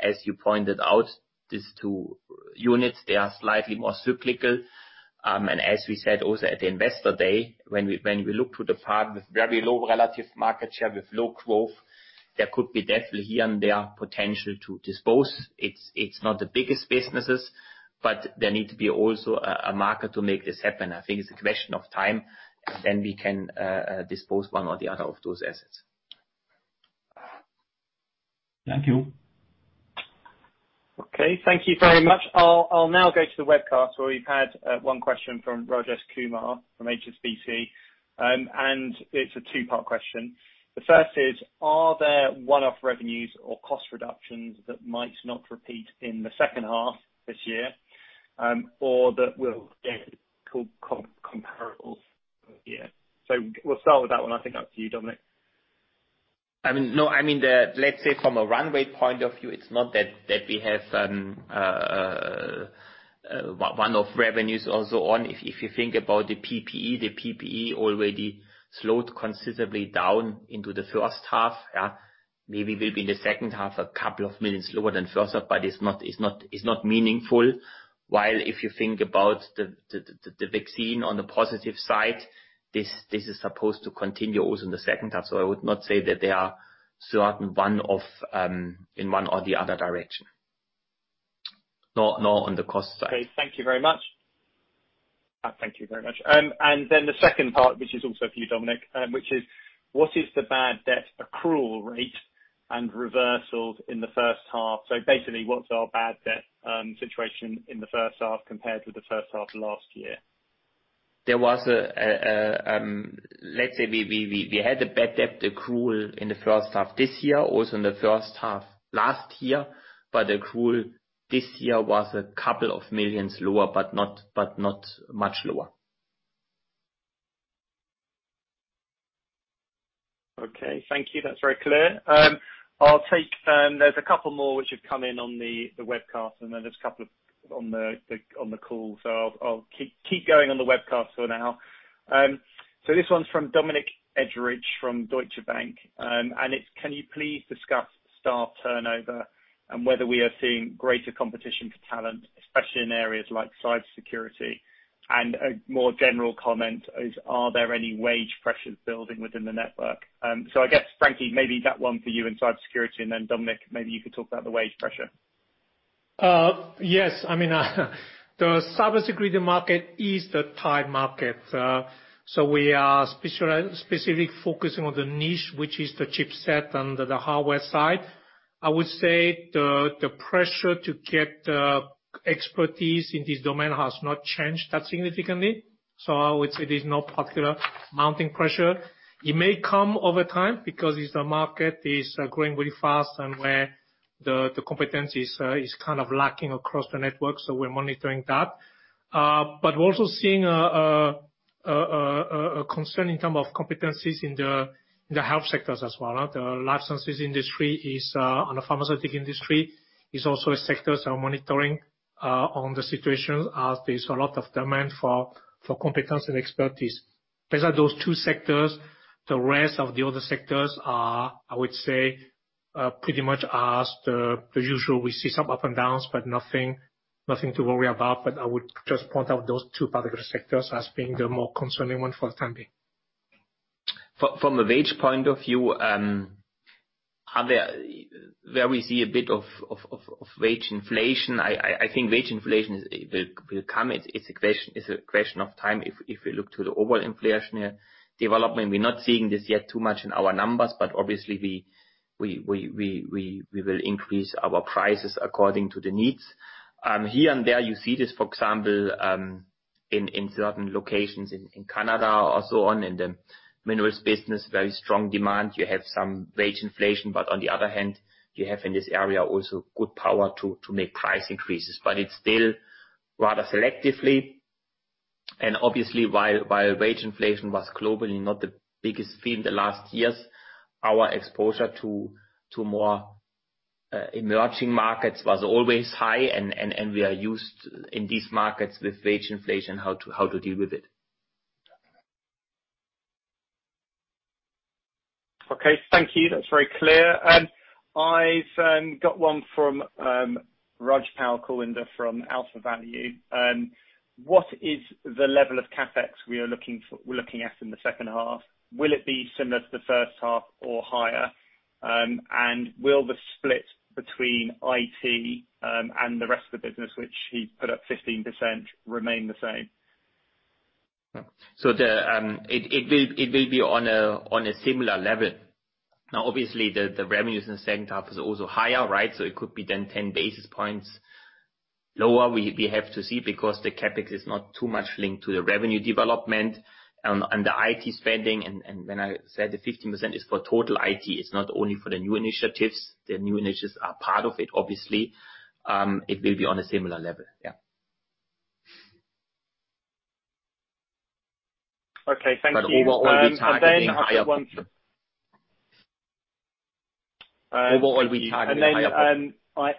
As you pointed out, these two units, they are slightly more cyclical. As we said also at the investor day, when we look to the part with very low relative market share with low growth, there could be definitely here and there potential to dispose. It's not the biggest businesses, but there need to be also a market to make this happen. I think it's a question of time, and then we can dispose one or the other of those assets. Thank you. Okay. Thank you very much. I'll now go to the webcast where we've had one question from Rajesh Kumar from HSBC, and it's a 2-part question. The first is, are there 1-off revenues or cost reductions that might not repeat in the second half this year, or that will get comparables year? We'll start with that 1. I think that's to you, Dominik. No. Let's say from a runway point of view, it's not that we have one-off revenues or so on. If you think about the PPE, the PPE already slowed considerably down into the first half. Yeah. Maybe it will be in the second half a couple of million CHF lower than first half, but it's not meaningful. While if you think about the vaccine on the positive side, this is supposed to continue also in the second half. I would not say that there are certain one-offs, in one or the other direction. Nor on the cost side. Okay. Thank you very much. The second part, which is also for you, Dominik, which is, what is the bad debt accrual rate and reversals in the first half? Basically, what's our bad debt situation in the first half compared with the first half last year? Let's say we had a bad debt accrual in the first half this year, also in the first half last year, but accrual this year was a couple of millions lower, but not much lower. Okay, thank you. That's very clear. There's a couple more which have come in on the webcast, and then there's a couple on the call. I'll keep going on the webcast for now. This one's from Dominik Edridge from Deutsche Bank, and it's, "Can you please discuss staff turnover and whether we are seeing greater competition for talent, especially in areas like cybersecurity?" A more general comment is, "Are there any wage pressures building within the network?" I guess, Frankie, maybe that one for you in cybersecurity, and then Dominik, maybe you could talk about the wage pressure. Yes. The cybersecurity market is the tight market. We are specific focusing on the niche, which is the chipset and the hardware side. I would say the pressure to get expertise in this domain has not changed that significantly. I would say there's no particular mounting pressure. It may come over time because as the market is growing really fast and where the competence is kind of lacking across the network, so we're monitoring that. We're also seeing a concern in term of competencies in the health sectors as well. The life sciences industry and the pharmaceutical industry is also a sector, so monitoring on the situation as there's a lot of demand for competence and expertise. Besides those two sectors, the rest of the other sectors are, I would say, pretty much as the usual. We see some up and downs, but nothing to worry about. I would just point out those two particular sectors as being the more concerning one for the time being. From a wage point of view, where we see a bit of wage inflation, I think wage inflation will come. It's a question of time if we look to the overall inflation development. We're not seeing this yet too much in our numbers, but obviously we will increase our prices according to the needs. Here and there, you see this, for example, in certain locations, in Canada or so on, in the Minerals business, very strong demand. You have some wage inflation, but on the other hand, you have in this area also good power to make price increases. It's still rather selectively, and obviously while wage inflation was globally not the biggest theme the last years, our exposure to more emerging markets was always high, and we are used in these markets with wage inflation, how to deal with it. Okay. Thank you. That's very clear. I've got one from Raj Palwinder from AlphaValue. "What is the level of CapEx we're looking at in the second half? Will it be similar to the first half or higher? Will the split between IT, and the rest of the business," which he put up 15%, "remain the same? It will be on a similar level. Obviously the revenues in the second half is also higher, so it could be then 10 basis points lower. We have to see because the CapEx is not too much linked to the revenue development and the IT spending. When I said the 15% is for total IT, it's not only for the new initiatives. The new initiatives are part of it, obviously. It will be on a similar level. Yeah. Okay. Thank you. Overall, we're targeting. And then I have one from- what are we targeting? Higher-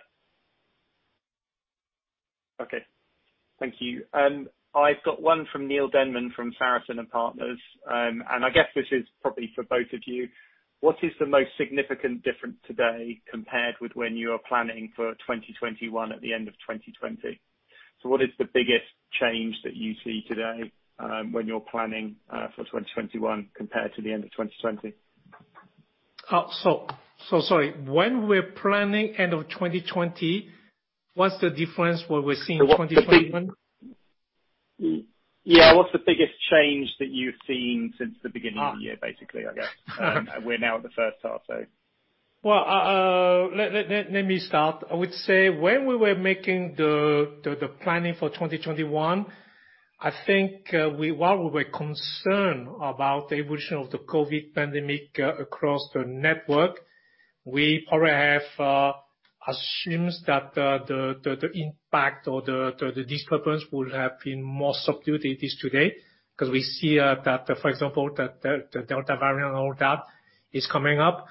Okay. Thank you. I've got one from Neil Denman from Sarasin & Partners, and I guess this is probably for both of you. "What is the most significant difference today compared with when you were planning for 2021 at the end of 2020?" What is the biggest change that you see today, when you're planning for 2021 compared to the end of 2020? Sorry. When we're planning end of 2020, what's the difference, what we're seeing 2021? Yeah. What's the biggest change that you've seen since the beginning of the year, basically, I guess? We're now at the first half, so. Well, let me start. I would say when we were making the planning for 2021, I think while we were concerned about the evolution of the COVID-19 pandemic across the network, we probably have assumes that the impact or the disturbance would have been more subdued than it is today, because we see that, for example, the Delta variant and all that is coming up.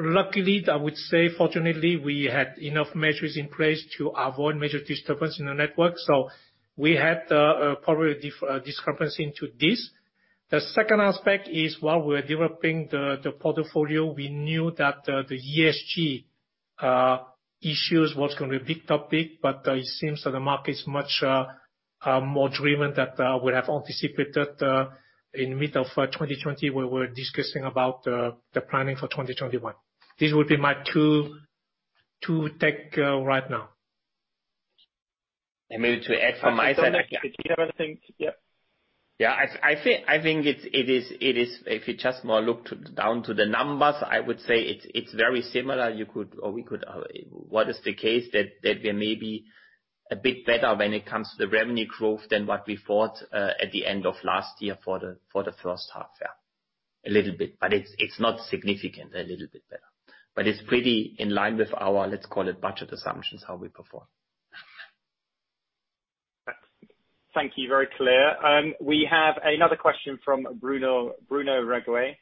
Luckily, I would say fortunately, we had enough measures in place to avoid major disturbance in the network, so we had probably discrepancy into this. The second aspect is while we're developing the portfolio, we knew that the ESG issues was going to be a big topic, It seems that the market is much more driven that we have anticipated, in middle of 2020, we were discussing about the planning for 2021. This would be my two take right now. Maybe to add from my side. Dominik, did you have anything? Yeah. Yeah, I think if you just more look down to the numbers, I would say it's very similar. What is the case that we are maybe a bit better when it comes to the revenue growth than what we thought, at the end of last year for the first half. Yeah. A little bit, but it's not significant. A little bit better. It's pretty in line with our, let's call it budget assumptions, how we perform. Thank you. Very clear. We have another question from Bruno Regue.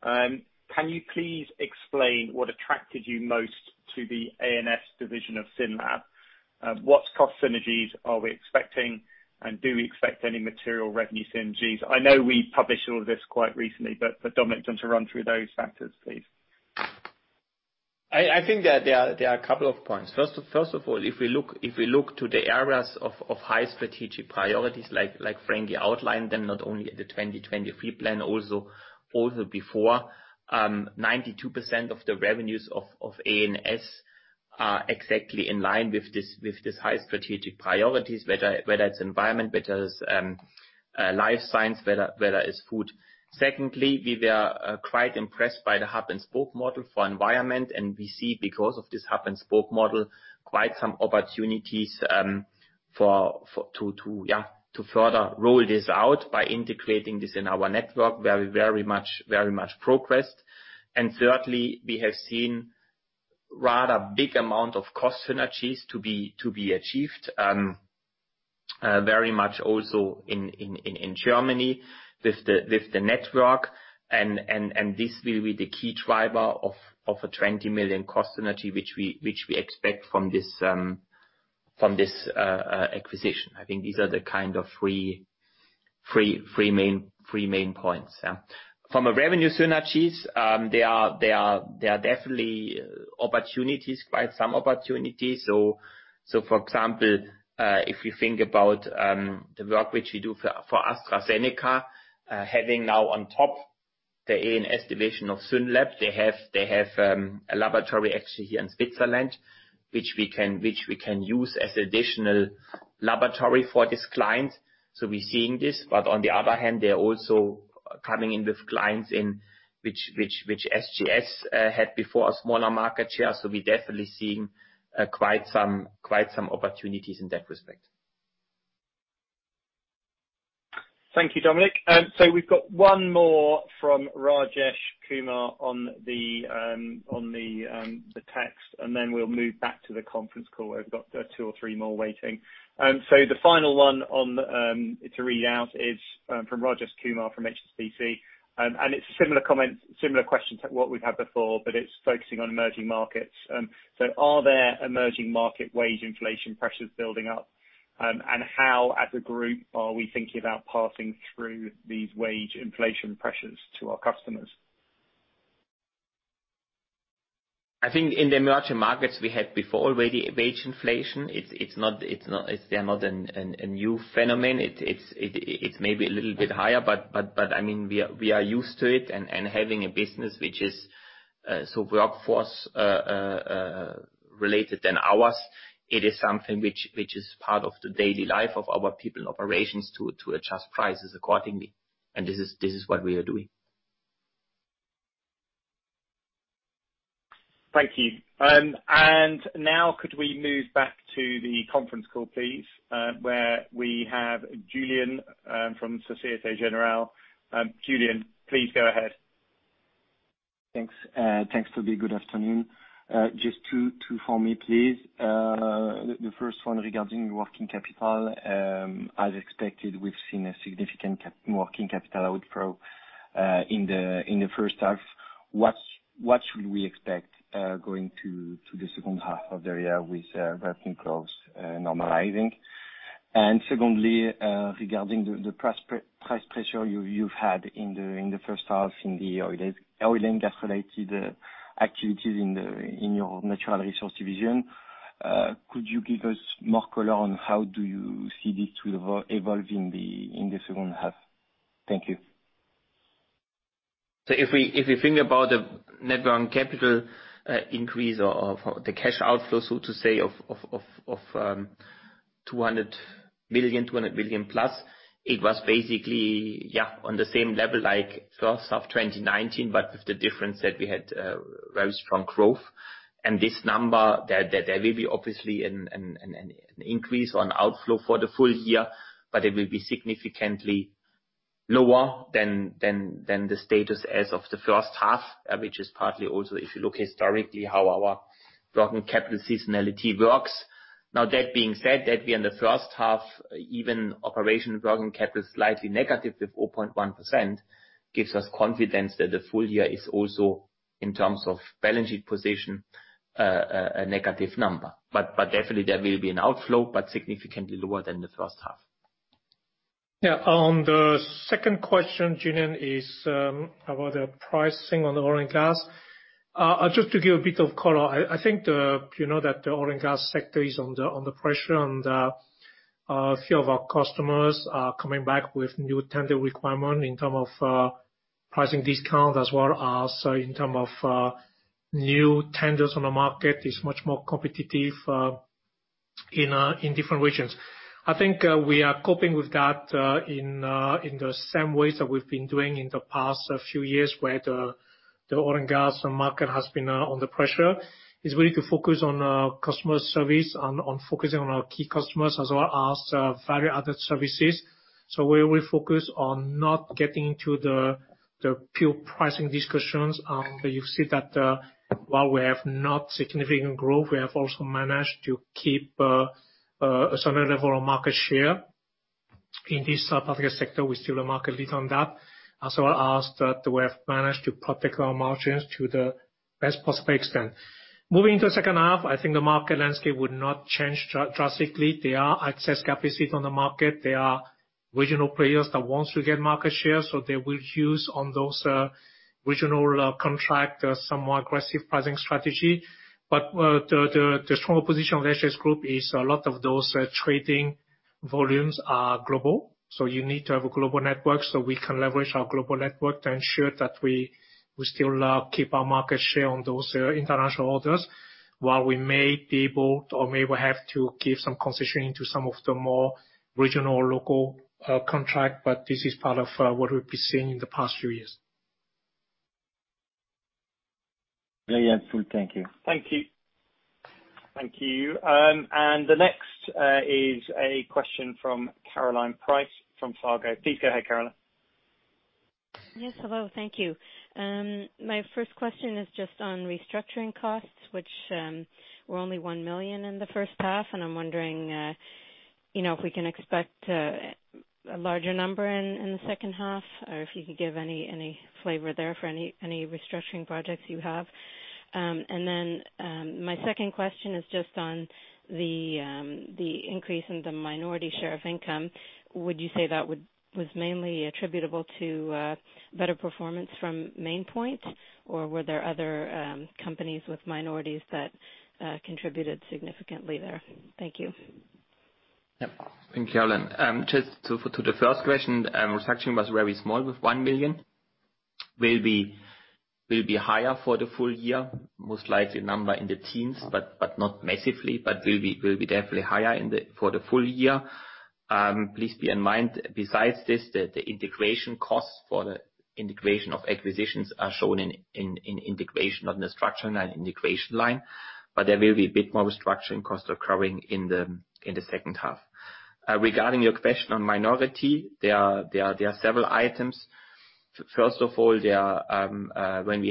Can you please explain what attracted you most to the A&S division of SYNLAB? What cost synergies are we expecting, and do we expect any material revenue synergies? I know we published all of this quite recently, but Dominik, do you want to run through those factors, please? I think that there are a couple of points. First of all, if we look to the areas of high strategic priorities, like Frankie outlined, then not only the 2023 plan, also before, 92% of the revenues of A&S are exactly in line with these high strategic priorities, whether it's environment, whether it's life science, whether it's food. Secondly, we were quite impressed by the hub-and-spoke model for environment. We see because of this hub-and-spoke model, quite some opportunities to further roll this out by integrating this in our network. Very much progressed. Thirdly, we have seen rather big amount of cost synergies to be achieved, very much also in Germany with the network, and this will be the key driver of a 20 million cost synergy, which we expect from this acquisition. I think these are the kind of three main points. Yeah. From a revenue synergies, there are definitely quite some opportunities. For example, if we think about the work which we do for AstraZeneca, having now on top the A&S division of SYNLAB, they have a laboratory actually here in Switzerland, which we can use as additional laboratory for this client. We're seeing this, but on the other hand, they're also coming in with clients which SGS had before, a smaller market share. We're definitely seeing quite some opportunities in that respect. Thank you, Dominik. We've got one more from Rajesh Kumar on the text, then we'll move back to the conference call where we've got 2 or 3 more waiting. The final one to read out is from Rajesh Kumar from HSBC, and it's a similar comment, similar question to what we've had before, but it's focusing on emerging markets. Are there emerging market wage inflation pressures building up? How, as a group, are we thinking about passing through these wage inflation pressures to our customers? I think in the emerging markets, we had before already wage inflation. It's not a new phenomenon. It's maybe a little bit higher, but we are used to it. Having a business which is so workforce-related than ours, it is something which is part of the daily life of our people operations to adjust prices accordingly. This is what we are doing. Thank you. Now could we move back to the conference call, please? Where we have Julian from Societe Generale. Julian, please go ahead. Thanks, Toby. Good afternoon. Just two for me, please. The first one regarding working capital. As expected, we've seen a significant working capital outflow in the first half. What should we expect going to the second half of the year with working flows normalizing? Secondly, regarding the price pressure you've had in the first half in the oil and gas-related activities in your Natural Resources division, could you give us more color on how do you see this will evolve in the second half? Thank you. If we think about the net working capital increase of the cash outflow, so to say of 200 million, 200 million+, it was basically on the same level like first half of 2019, but with the difference that we had very strong growth. This number, there will be obviously an increase on outflow for the full year, but it will be significantly lower than the status as of the first half, which is partly also if you look historically how our working capital seasonality works. That being said, that we in the first half, even operation working capital is slightly negative with 0.1%, gives us confidence that the full year is also, in terms of balance sheet position, a negative number. Definitely there will be an outflow, but significantly lower than the first half. Yeah. On the second question, Julian, is about the pricing on the oil and gas. Just to give a bit of color, I think that the oil and gas sector is under pressure, and a few of our customers are coming back with new tender requirements in terms of pricing discounts, as well as in terms of new tenders on the market is much more competitive in different regions. I think we are coping with that in the same ways that we've been doing in the past few years, where the oil and gas market has been under pressure. It's really to focus on customer service and on focusing on our key customers as well as varied other services. We will focus on not getting to the pure pricing discussions. You see that while we have not significant growth, we have also managed to keep a similar level of market share in this sub-public sector. We're still a market leader on that. We have managed to protect our margins to the best possible extent. Moving to second half, I think the market landscape would not change drastically. There are excess capacity on the market. There are regional players that wants to get market share, so they will use on those regional contract, somewhat aggressive pricing strategy. The strong position of SGS Group is a lot of those trading volumes are global. You need to have a global network so we can leverage our global network to ensure that we still keep our market share on those international orders while we may be able or may well have to give some concession into some of the more regional or local contract. This is part of what we've been seeing in the past few years. Very helpful. Thank you. Thank you. The next is a question from Caroline Price from Fargo. Please go ahead, Caroline. Yes. Hello, thank you. My first question is just on restructuring costs, which were only 1 million in the first half, and I am wondering if we can expect a larger number in the second half, or if you could give any flavor there for any restructuring projects you have. My second question is just on the increase in the minority share of income. Would you say that was mainly attributable to better performance from Main Point, or were there other companies with minorities that contributed significantly there? Thank you. Yeah. Thank you, Caroline. Just to the first question, restructuring was very small with 1 million. Will be higher for the full year, most likely number in the teens, but not massively. Will be definitely higher for the full year. Please bear in mind, besides this, that the integration costs for the integration of acquisitions are shown in integration, not in the structure and integration line, but there will be a bit more restructuring costs occurring in the second half. Regarding your question on minority, there are several items. First of all, last year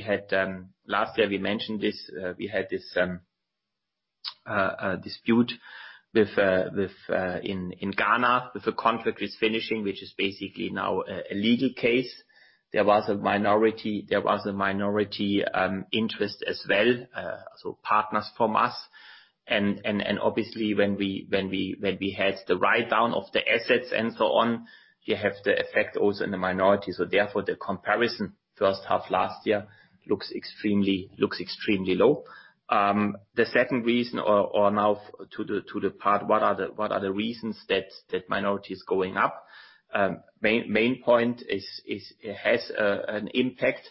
we mentioned this, we had this dispute in Ghana with a contract which is finishing, which is basically now a legal case. There was a minority interest as well, so partners from us. Obviously when we had the write-down of the assets and so on, you have the effect also in the minority. Therefore, the comparison first half last year looks extremely low. The second reason or now to the part what are the reasons that minority is going up? Main point, it has an impact,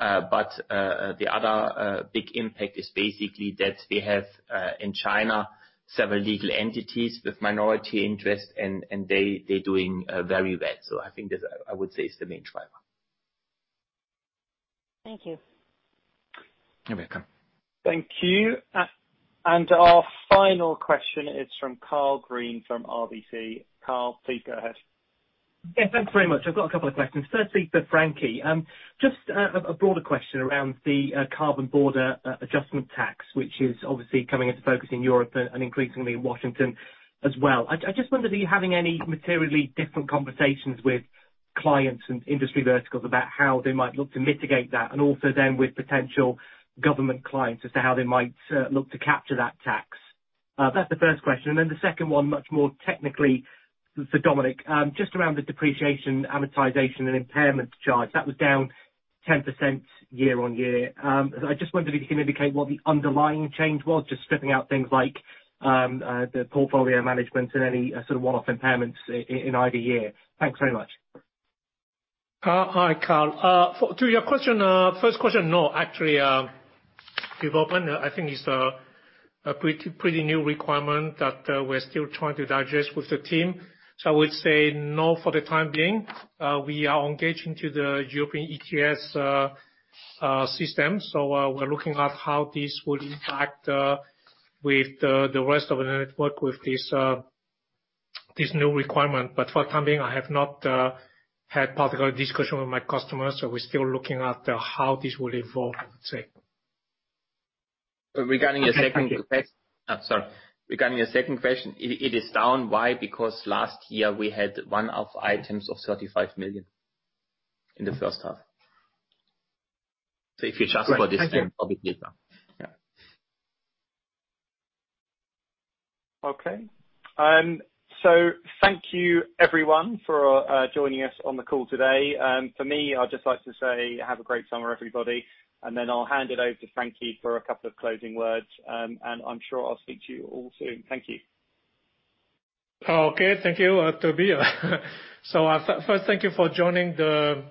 but the other big impact is basically that we have, in China, several legal entities with minority interest and they're doing very well. I think this, I would say, is the main driver. Thank you. You're welcome. Thank you. Our final question is from Karl Green from RBC. Karl, please go ahead. Yeah, thanks very much. I've got a couple of questions. Firstly, for Frankie, just a broader question around the carbon border adjustment tax, which is obviously coming into focus in Europe and increasingly in Washington as well. I just wonder, are you having any materially different conversations with clients and industry verticals about how they might look to mitigate that, and also then with potential government clients as to how they might look to capture that tax? That's the first question. The second one, much more technically for Dominik, just around the depreciation, amortization, and impairment charge. That was down 10% year-on-year. I just wondered if you can indicate what the underlying change was, just stripping out things like the portfolio management and any sort of one-off impairments in either year. Thanks very much. Hi, Karl. To your first question, no. Actually, development, I think it's a pretty new requirement that we're still trying to digest with the team. I would say no for the time being. We are engaging to the European ETS system. We're looking at how this would impact with the rest of the network with this new requirement. For the time being, I have not had particular discussion with my customers. We're still looking at how this will evolve, I would say. Okay. Thank you. Sorry. Regarding your second question, it is down. Why? Because last year we had one-off items of 35 million in the first half. If you adjust for this- Right. Thank you. obviously it's down. Yeah. Okay. Thank you everyone for joining us on the call today. For me, I'd just like to say have a great summer, everybody, and then I'll hand it over to Frankie for a couple of closing words, and I'm sure I'll speak to you all soon. Thank you. Thank you, Toby. First, thank you for joining the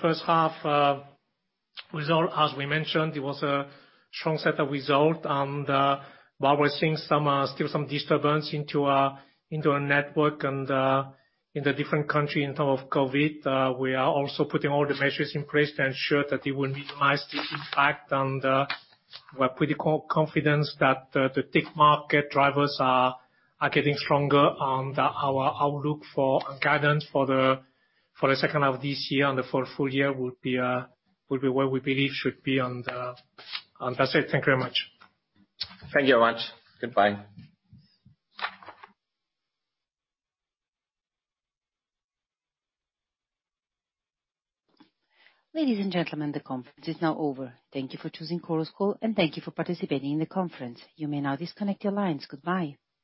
first half result. As we mentioned, it was a strong set of result and while we're seeing still some disturbance into our network and in the different country in terms of COVID, we are also putting all the measures in place to ensure that it will minimize the impact. We're pretty confident that the TIC market drivers are getting stronger and our outlook for guidance for the second half of this year and the full year would be where we believe should be. That's it. Thank you very much. Thank you very much. Goodbye. Ladies and gentlemen, the conference is now over. Thank you for choosing CoroCall and thank you for participating in the conference. You may now disconnect your lines. Goodbye.